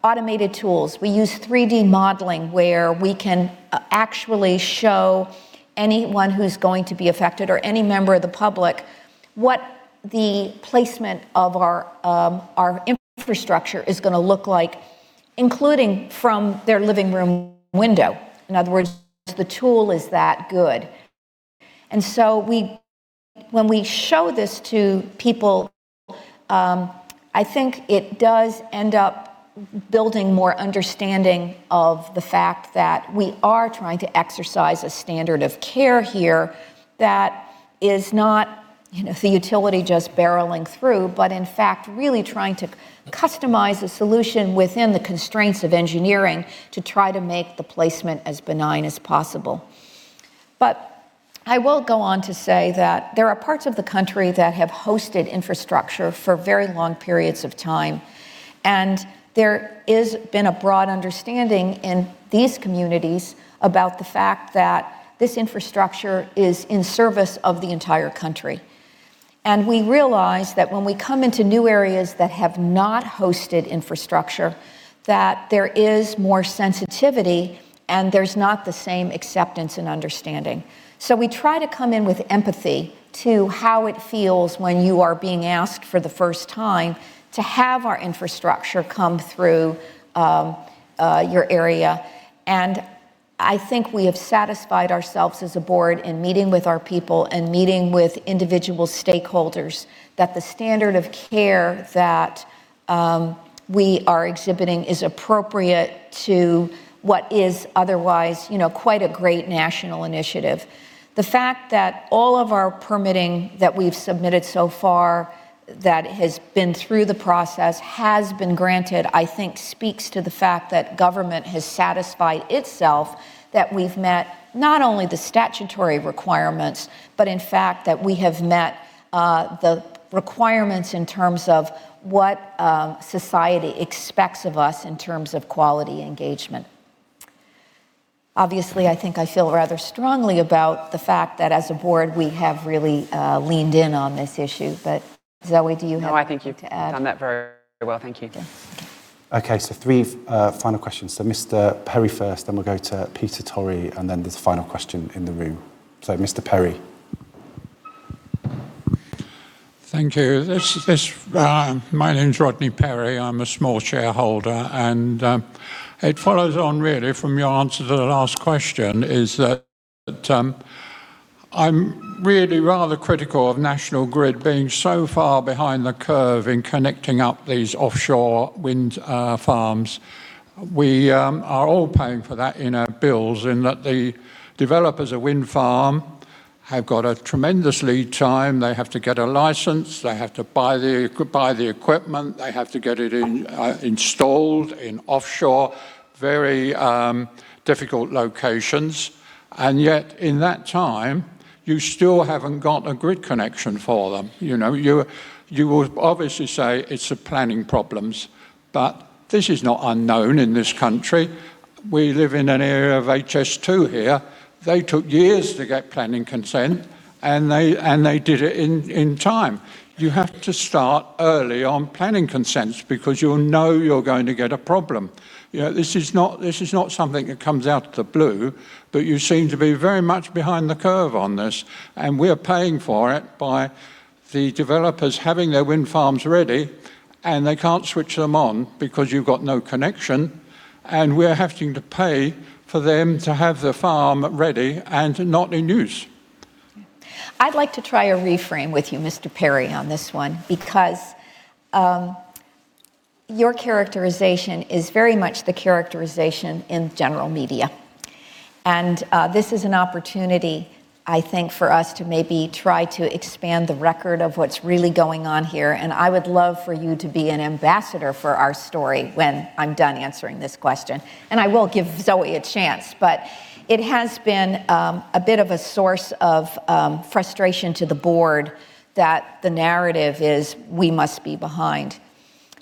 automated tools. We use 3D modeling where we can actually show anyone who's going to be affected or any member of the public what the placement of our infrastructure is going to look like, including from their living room window. In other words, the tool is that good. When we show this to people, I think it does end up building more understanding of the fact that we are trying to exercise a standard of care here that is not the utility just barreling through, but in fact, really trying to customize a solution within the constraints of engineering to try to make the placement as benign as possible. I will go on to say that there are parts of the country that have hosted infrastructure for very long periods of time, and there has been a broad understanding in these communities about the fact that this infrastructure is in service of the entire country. We realize that when we come into new areas that have not hosted infrastructure, that there is more sensitivity, and there's not the same acceptance and understanding. We try to come in with empathy to how it feels when you are being asked for the first time to have our infrastructure come through your area. I think we have satisfied ourselves as a board in meeting with our people and meeting with individual stakeholders that the standard of care that we are exhibiting is appropriate to what is otherwise quite a great national initiative. The fact that all of our permitting that we've submitted so far that has been through the process has been granted, I think speaks to the fact that government has satisfied itself that we've met not only the statutory requirements, but in fact, that we have met the requirements in terms of what society expects of us in terms of quality engagement. Obviously, I think I feel rather strongly about the fact that as a board, we have really leaned in on this issue. Zoë, do you have anything to add? No, I think you've done that very well. Thank you. Okay. Okay, three final questions. Mr. Perry first, then we'll go to Peter Tory, then there's a final question in the room. Mr. Perry. Thank you. My name's Rodney Perry. I'm a small shareholder, it follows on really from your answer to the last question is that I'm really rather critical of National Grid being so far behind the curve in connecting up these offshore wind farms. We are all paying for that in our bills in that the developers of wind farm have got a tremendous lead time. They have to get a license. They have to buy the equipment. They have to get it installed in offshore, very difficult locations. Yet in that time, you still haven't got a grid connection for them. You would obviously say it's the planning problems, but this is not unknown in this country. We live in an area of HS2 here. They took years to get planning consent, and they did it in time. You have to start early on planning consents because you'll know you're going to get a problem. This is not something that comes out of the blue, but you seem to be very much behind the curve on this. We're paying for it by the developers having their wind farms ready, and they can't switch them on because you've got no connection, and we're having to pay for them to have the farm ready and not in use. I'd like to try a reframe with you, Mr. Perry, on this one because, your characterization is very much the characterization in general media. This is an opportunity, I think, for us to maybe try to expand the record of what's really going on here, and I would love for you to be an ambassador for our story when I'm done answering this question. I will give Zoë a chance, but it has been a bit of a source of frustration to the board that the narrative is we must be behind.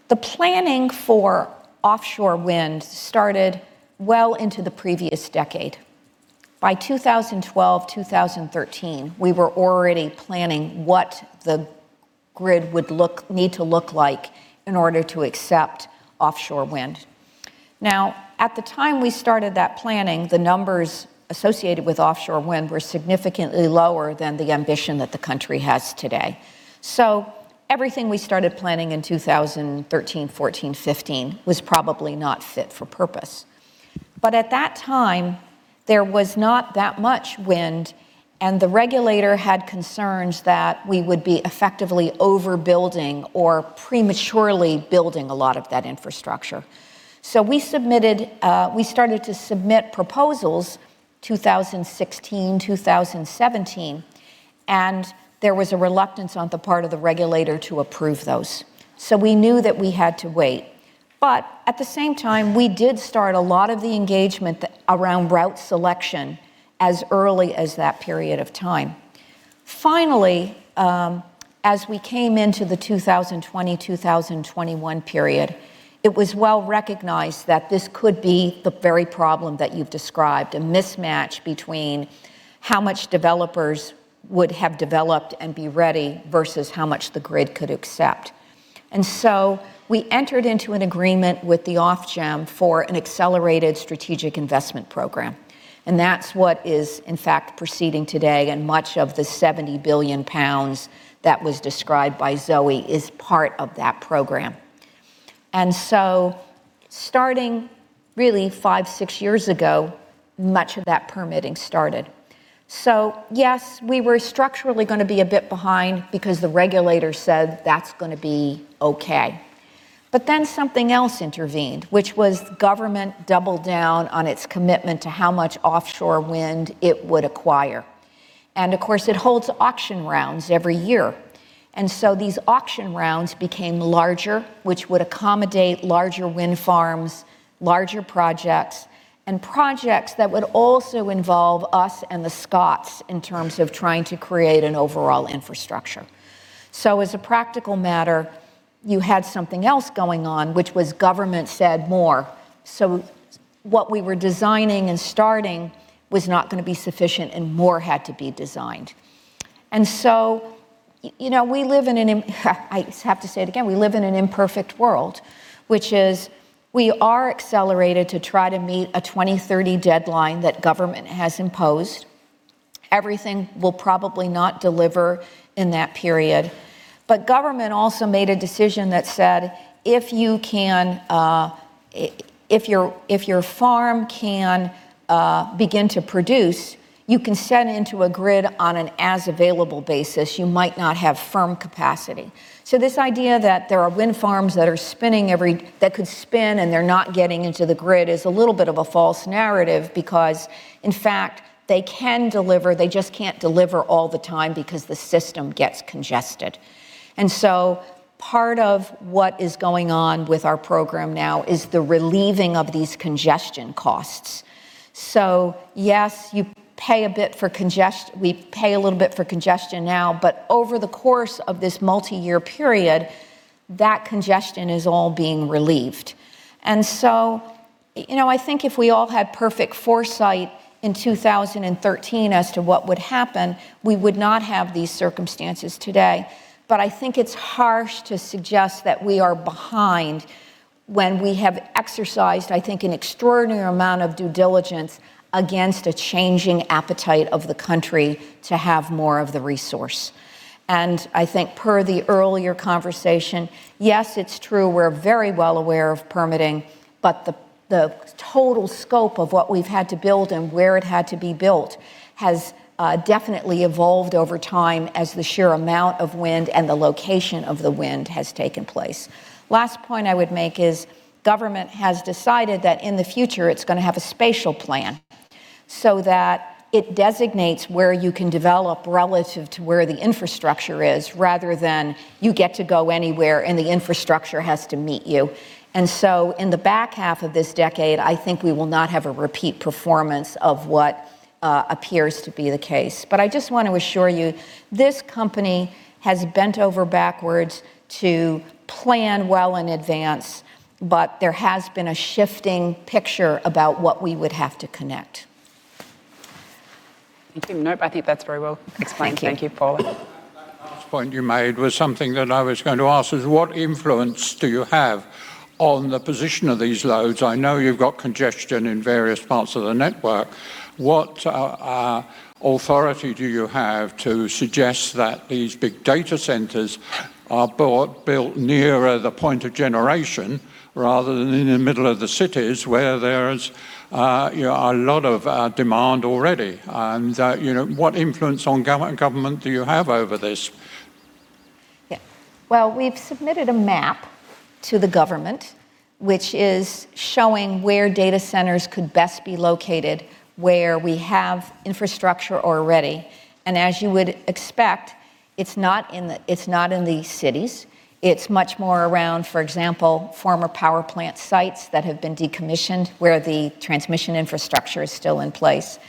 The planning for offshore wind started well into the previous decade. By 2012, 2013, we were already planning what the grid would need to look like in order to accept offshore wind. Now, at the time we started that planning, the numbers associated with offshore wind were significantly lower than the ambition that the country has today. Everything we started planning in 2013, 2014, 2015 was probably not fit for purpose. At that time, there was not that much wind, and the regulator had concerns that we would be effectively overbuilding or prematurely building a lot of that infrastructure. We started to submit proposals 2016, 2017, and there was a reluctance on the part of the regulator to approve those. We knew that we had to wait. At the same time, we did start a lot of the engagement around route selection as early as that period of time. Finally, as we came into the 2020/2021 period, it was well recognized that this could be the very problem that you've described, a mismatch between how much developers would have developed and be ready versus how much the grid could accept. We entered into an agreement with the Ofgem for an accelerated strategic investment program, and that's what is, in fact, proceeding today, and much of the 70 billion pounds that was described by Zoë is part of that program. Starting really five, six years ago, much of that permitting started. Yes, we were structurally going to be a bit behind because the regulator said that's going to be okay. Something else intervened, which was government doubled down on its commitment to how much offshore wind it would acquire. Of course, it holds auction rounds every year. These auction rounds became larger, which would accommodate larger wind farms, larger projects, and projects that would also involve us and the Scots in terms of trying to create an overall infrastructure. As a practical matter, you had something else going on, which was government said more. What we were designing and starting was not going to be sufficient and more had to be designed. We live in an, I have to say it again, we live in an imperfect world. Which is, we are accelerated to try to meet a 2030 deadline that government has imposed. Everything will probably not deliver in that period. Government also made a decision that said, if your farm can begin to produce, you can send into a grid on an as-available basis. You might not have firm capacity. This idea that there are wind farms that could spin and they're not getting into the grid is a little bit of a false narrative, because, in fact, they can deliver, they just can't deliver all the time because the system gets congested. Part of what is going on with our program now is the relieving of these congestion costs. Yes, we pay a little bit for congestion now, but over the course of this multi-year period, that congestion is all being relieved. I think if we all had perfect foresight in 2013 as to what would happen, we would not have these circumstances today. I think it's harsh to suggest that we are behind when we have exercised, I think, an extraordinary amount of due diligence against a changing appetite of the country to have more of the resource. I think per the earlier conversation, yes, it's true, we're very well aware of permitting, but the total scope of what we've had to build and where it had to be built has definitely evolved over time as the sheer amount of wind and the location of the wind has taken place. Last point I would make is government has decided that in the future it's going to have a spatial plan, so that it designates where you can develop relative to where the infrastructure is, rather than you get to go anywhere and the infrastructure has to meet you. In the back half of this decade, I think we will not have a repeat performance of what appears to be the case. I just want to assure you, this company has bent over backwards to plan well in advance, but there has been a shifting picture about what we would have to connect. Thank you. Nope, I think that's very well explained. Thank you. Thank you, Paula. That last point you made was something that I was going to ask, is what influence do you have on the position of these loads? I know you've got congestion in various parts of the network. What authority do you have to suggest that these big data centers are built nearer the point of generation rather than in the middle of the cities where there is a lot of demand already? What influence on government do you have over this? Yeah. Well, we've submitted a map to the government, which is showing where data centers could best be located, where we have infrastructure already. As you would expect, it's not in the cities. It's much more around, for example, former power plant sites that have been decommissioned, where the transmission infrastructure is still in place.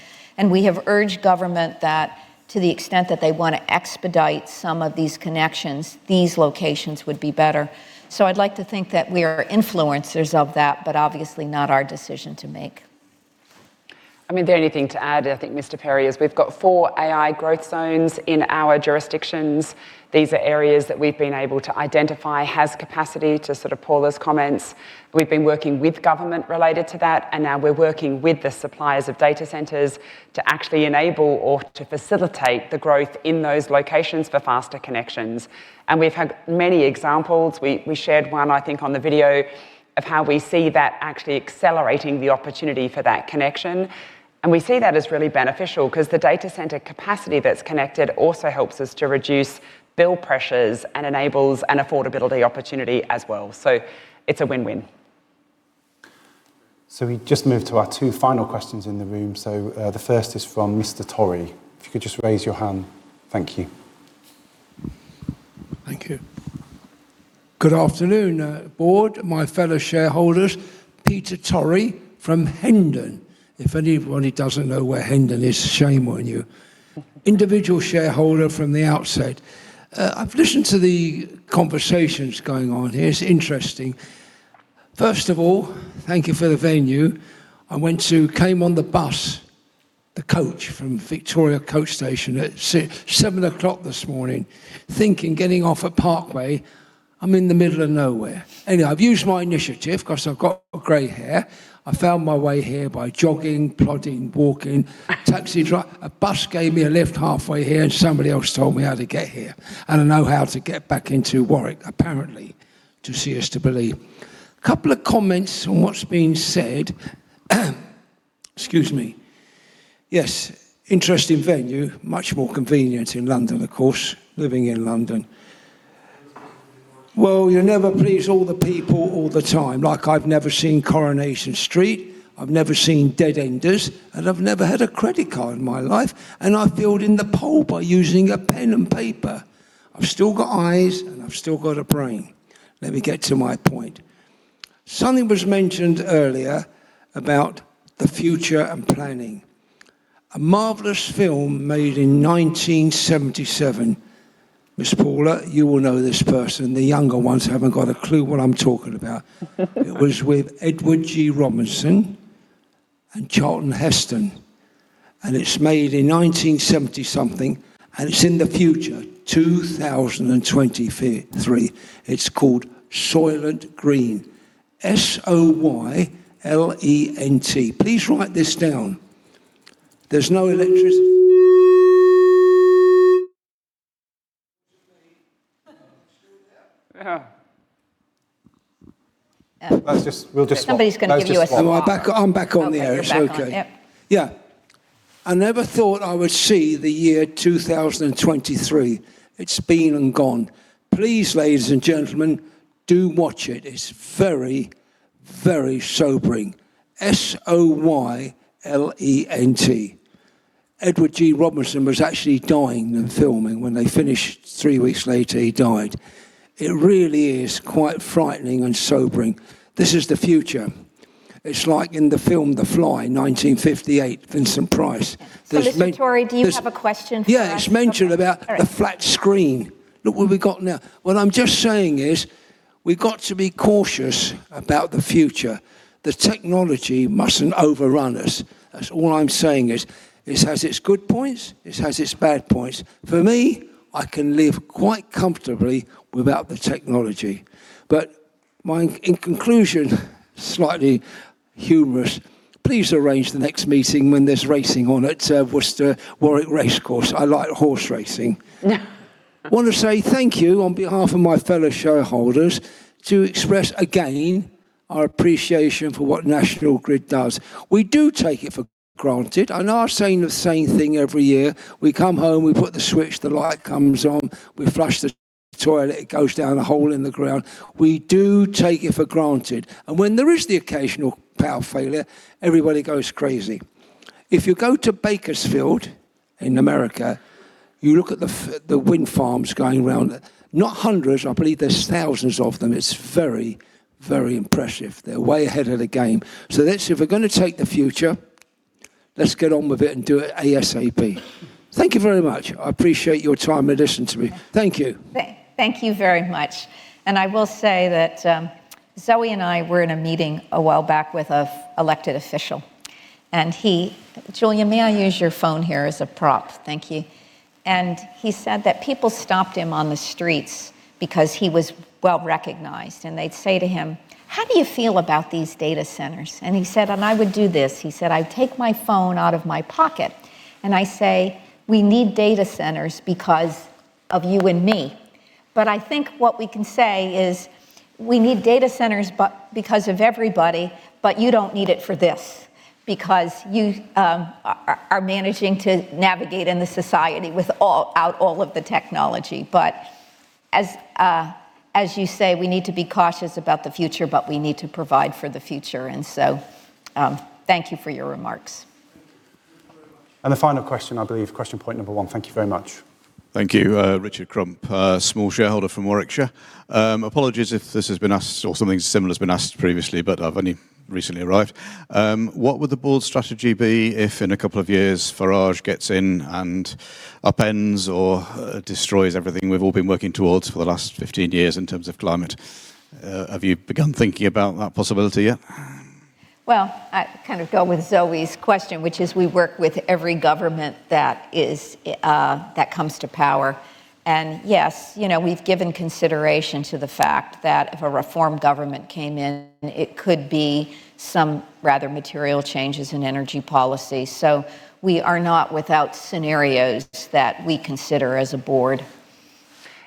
We have urged government that to the extent that they want to expedite some of these connections, these locations would be better. I'd like to think that we are influencers of that, but obviously not our decision to make. The only thing to add, I think, Mr. Perry, is we've got four AI growth zones in our jurisdictions. These are areas that we've been able to identify has capacity to sort of Paula's comments. We've been working with government related to that, and now we're working with the suppliers of data centers to actually enable or to facilitate the growth in those locations for faster connections. We've had many examples. We shared one, I think, on the video of how we see that actually accelerating the opportunity for that connection. We see that as really beneficial, because the data center capacity that's connected also helps us to reduce bill pressures and enables an affordability opportunity as well. It's a win-win. We just move to our two final questions in the room. The first is from Mr. Tory. If you could just raise your hand. Thank you. Thank you. Good afternoon, board, my fellow shareholders. Peter Tory from Hendon. If anybody doesn't know where Hendon is, shame on you. Individual shareholder from the outset. I've listened to the conversations going on here, it's interesting. First of all, thank you for the venue. I came on the bus, the coach, from Victoria Coach Station at 7:00 A.M. this morning, thinking getting off at Parkway, I'm in the middle of nowhere. I've used my initiative, because I've got gray hair. I found my way here by jogging, plodding, walking, taxi drive. A bus gave me a lift halfway here, somebody else told me how to get here. I know how to get back into Warwick, apparently, to see is to believe. Couple of comments on what's been said. Excuse me. Yes. Interesting venue. Much more convenient in London, of course, living in London. You never please all the people all the time. Like I've never seen "Coronation Street," I've never seen "EastEnders," and I've never had a credit card in my life, and I filled in the poll by using a pen and paper. I've still got eyes, and I've still got a brain. Let me get to my point. Something was mentioned earlier about the future and planning. A marvelous film made in 1977, Ms. Paula, you will know this person, the younger ones haven't got a clue what I'm talking about. It was with Edward G. Robinson and Charlton Heston, and it's made in 1970-something, and it's in the future, 2023. It's called "Soylent Green," S-O-Y-L-E-N-T. Please write this down. There's no electric- Yeah. We'll just swap. Somebody's going to give you a swap. Let's just swap. Am I back? I'm back on the air. You're back on, yep. It's okay. Yeah. I never thought I would see the year 2023. It's been and gone. Please, ladies and gentlemen, do watch it. It's very, very sobering. S-O-Y-L-E-N-T. Edward G. Robinson was actually dying than filming. When they finished, three weeks later, he died. It really is quite frightening and sobering. This is the future. It's like in the film, "The Fly," 1958, Vincent Price. Mr. Tory, do you have a question for us? Yeah. Okay. All right. It's mentioned about the flat screen. Look what we've got now. What I'm just saying is, we've got to be cautious about the future. The technology mustn't overrun us. That's all I'm saying is, this has its good points, this has its bad points. For me, I can live quite comfortably without the technology. In conclusion, slightly humorous, please arrange the next meeting when there's racing on at Worcester, Warwick Racecourse. I like horse racing. Want to say thank you on behalf of my fellow shareholders to express again our appreciation for what National Grid does. We do take it for granted, and are saying the same thing every year. We come home, we put the switch, the light comes on, we flush the toilet, it goes down a hole in the ground. We do take it for granted. When there is the occasional power failure, everybody goes crazy. If you go to Bakersfield in America, you look at the wind farms going round, not hundreds, I believe there's thousands of them. It's very, very impressive. They're way ahead of the game. Let's, if we're going to take the future, let's get on with it and do it ASAP. Thank you very much. I appreciate your time and listening to me. Thank you. Thank you very much. I will say that, Zoë and I were in a meeting a while back with an elected official, he, Julian, may I use your phone here as a prop? Thank you. He said that people stopped him on the streets because he was well-recognized, and they'd say to him, "How do you feel about these data centers?" He said, "I would do this." He said, "I take my phone out of my pocket, and I say, 'We need data centers because of you and me.'" I think what we can say is, we need data centers because of everybody, you don't need it for this, because you are managing to navigate in the society without all of the technology. As you say, we need to be cautious about the future, but we need to provide for the future. Thank you for your remarks. The final question, I believe, question point number one. Thank you very much. Thank you. Richard Crump, small shareholder from Warwickshire. Apologies if this has been asked or something similar has been asked previously, but I've only recently arrived. What would the board's strategy be if, in a couple of years, Nigel gets in and upends or destroys everything we've all been working towards for the last 15 years in terms of climate? Have you begun thinking about that possibility yet? Well, I kind of go with Zoë's question, which is we work with every government that comes to power. Yes, we've given consideration to the fact that if a Reform government came in, it could be some rather material changes in energy policy. We are not without scenarios that we consider as a board.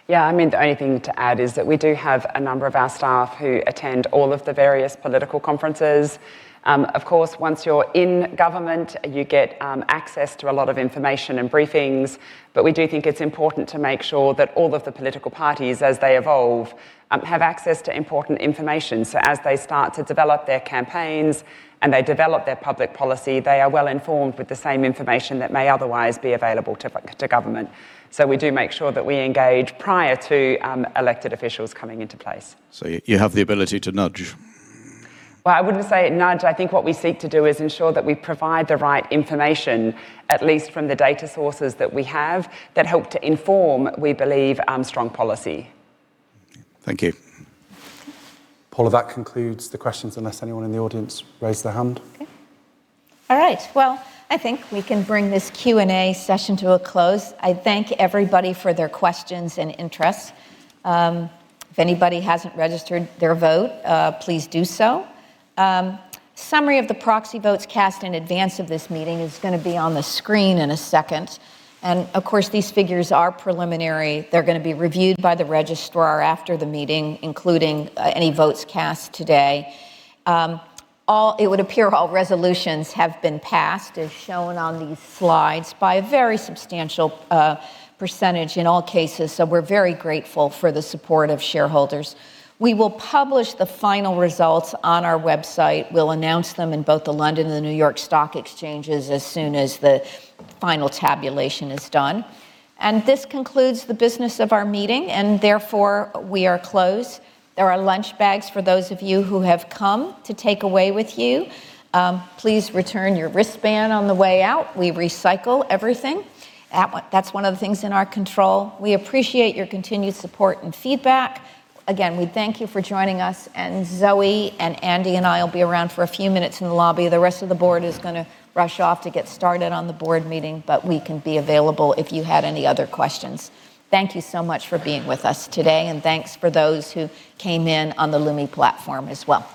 Yeah. The only thing to add is that we do have a number of our staff who attend all of the various political conferences. Of course, once you're in government, you get access to a lot of information and briefings. We do think it's important to make sure that all of the political parties, as they evolve, have access to important information. As they start to develop their campaigns, and they develop their public policy, they are well-informed with the same information that may otherwise be available to government. We do make sure that we engage prior to elected officials coming into place. You have the ability to nudge. Well, I wouldn't say nudge. I think what we seek to do is ensure that we provide the right information, at least from the data sources that we have, that help to inform, we believe, strong policy. Thank you. Paula, that concludes the questions, unless anyone in the audience raised their hand. Okay. All right. Well, I think we can bring this Q&A session to a close. I thank everybody for their questions and interest. If anybody hasn't registered their vote, please do so. Summary of the proxy votes cast in advance of this meeting is going to be on the screen in a second. Of course, these figures are preliminary. They're going to be reviewed by the registrar after the meeting, including any votes cast today. It would appear all resolutions have been passed, as shown on these slides, by a very substantial percentage in all cases. We're very grateful for the support of shareholders. We will publish the final results on our website. We'll announce them in both the London and the New York Stock Exchanges as soon as the final tabulation is done. This concludes the business of our meeting, and therefore, we are closed. There are lunch bags for those of you who have come to take away with you. Please return your wristband on the way out. We recycle everything. That's one of the things in our control. We appreciate your continued support and feedback. Again, we thank you for joining us. Zoë, Andy, and I will be around for a few minutes in the lobby. The rest of the board is going to rush off to get started on the board meeting, but we can be available if you had any other questions. Thank you so much for being with us today, and thanks for those who came in on the Lumi platform as well. Okay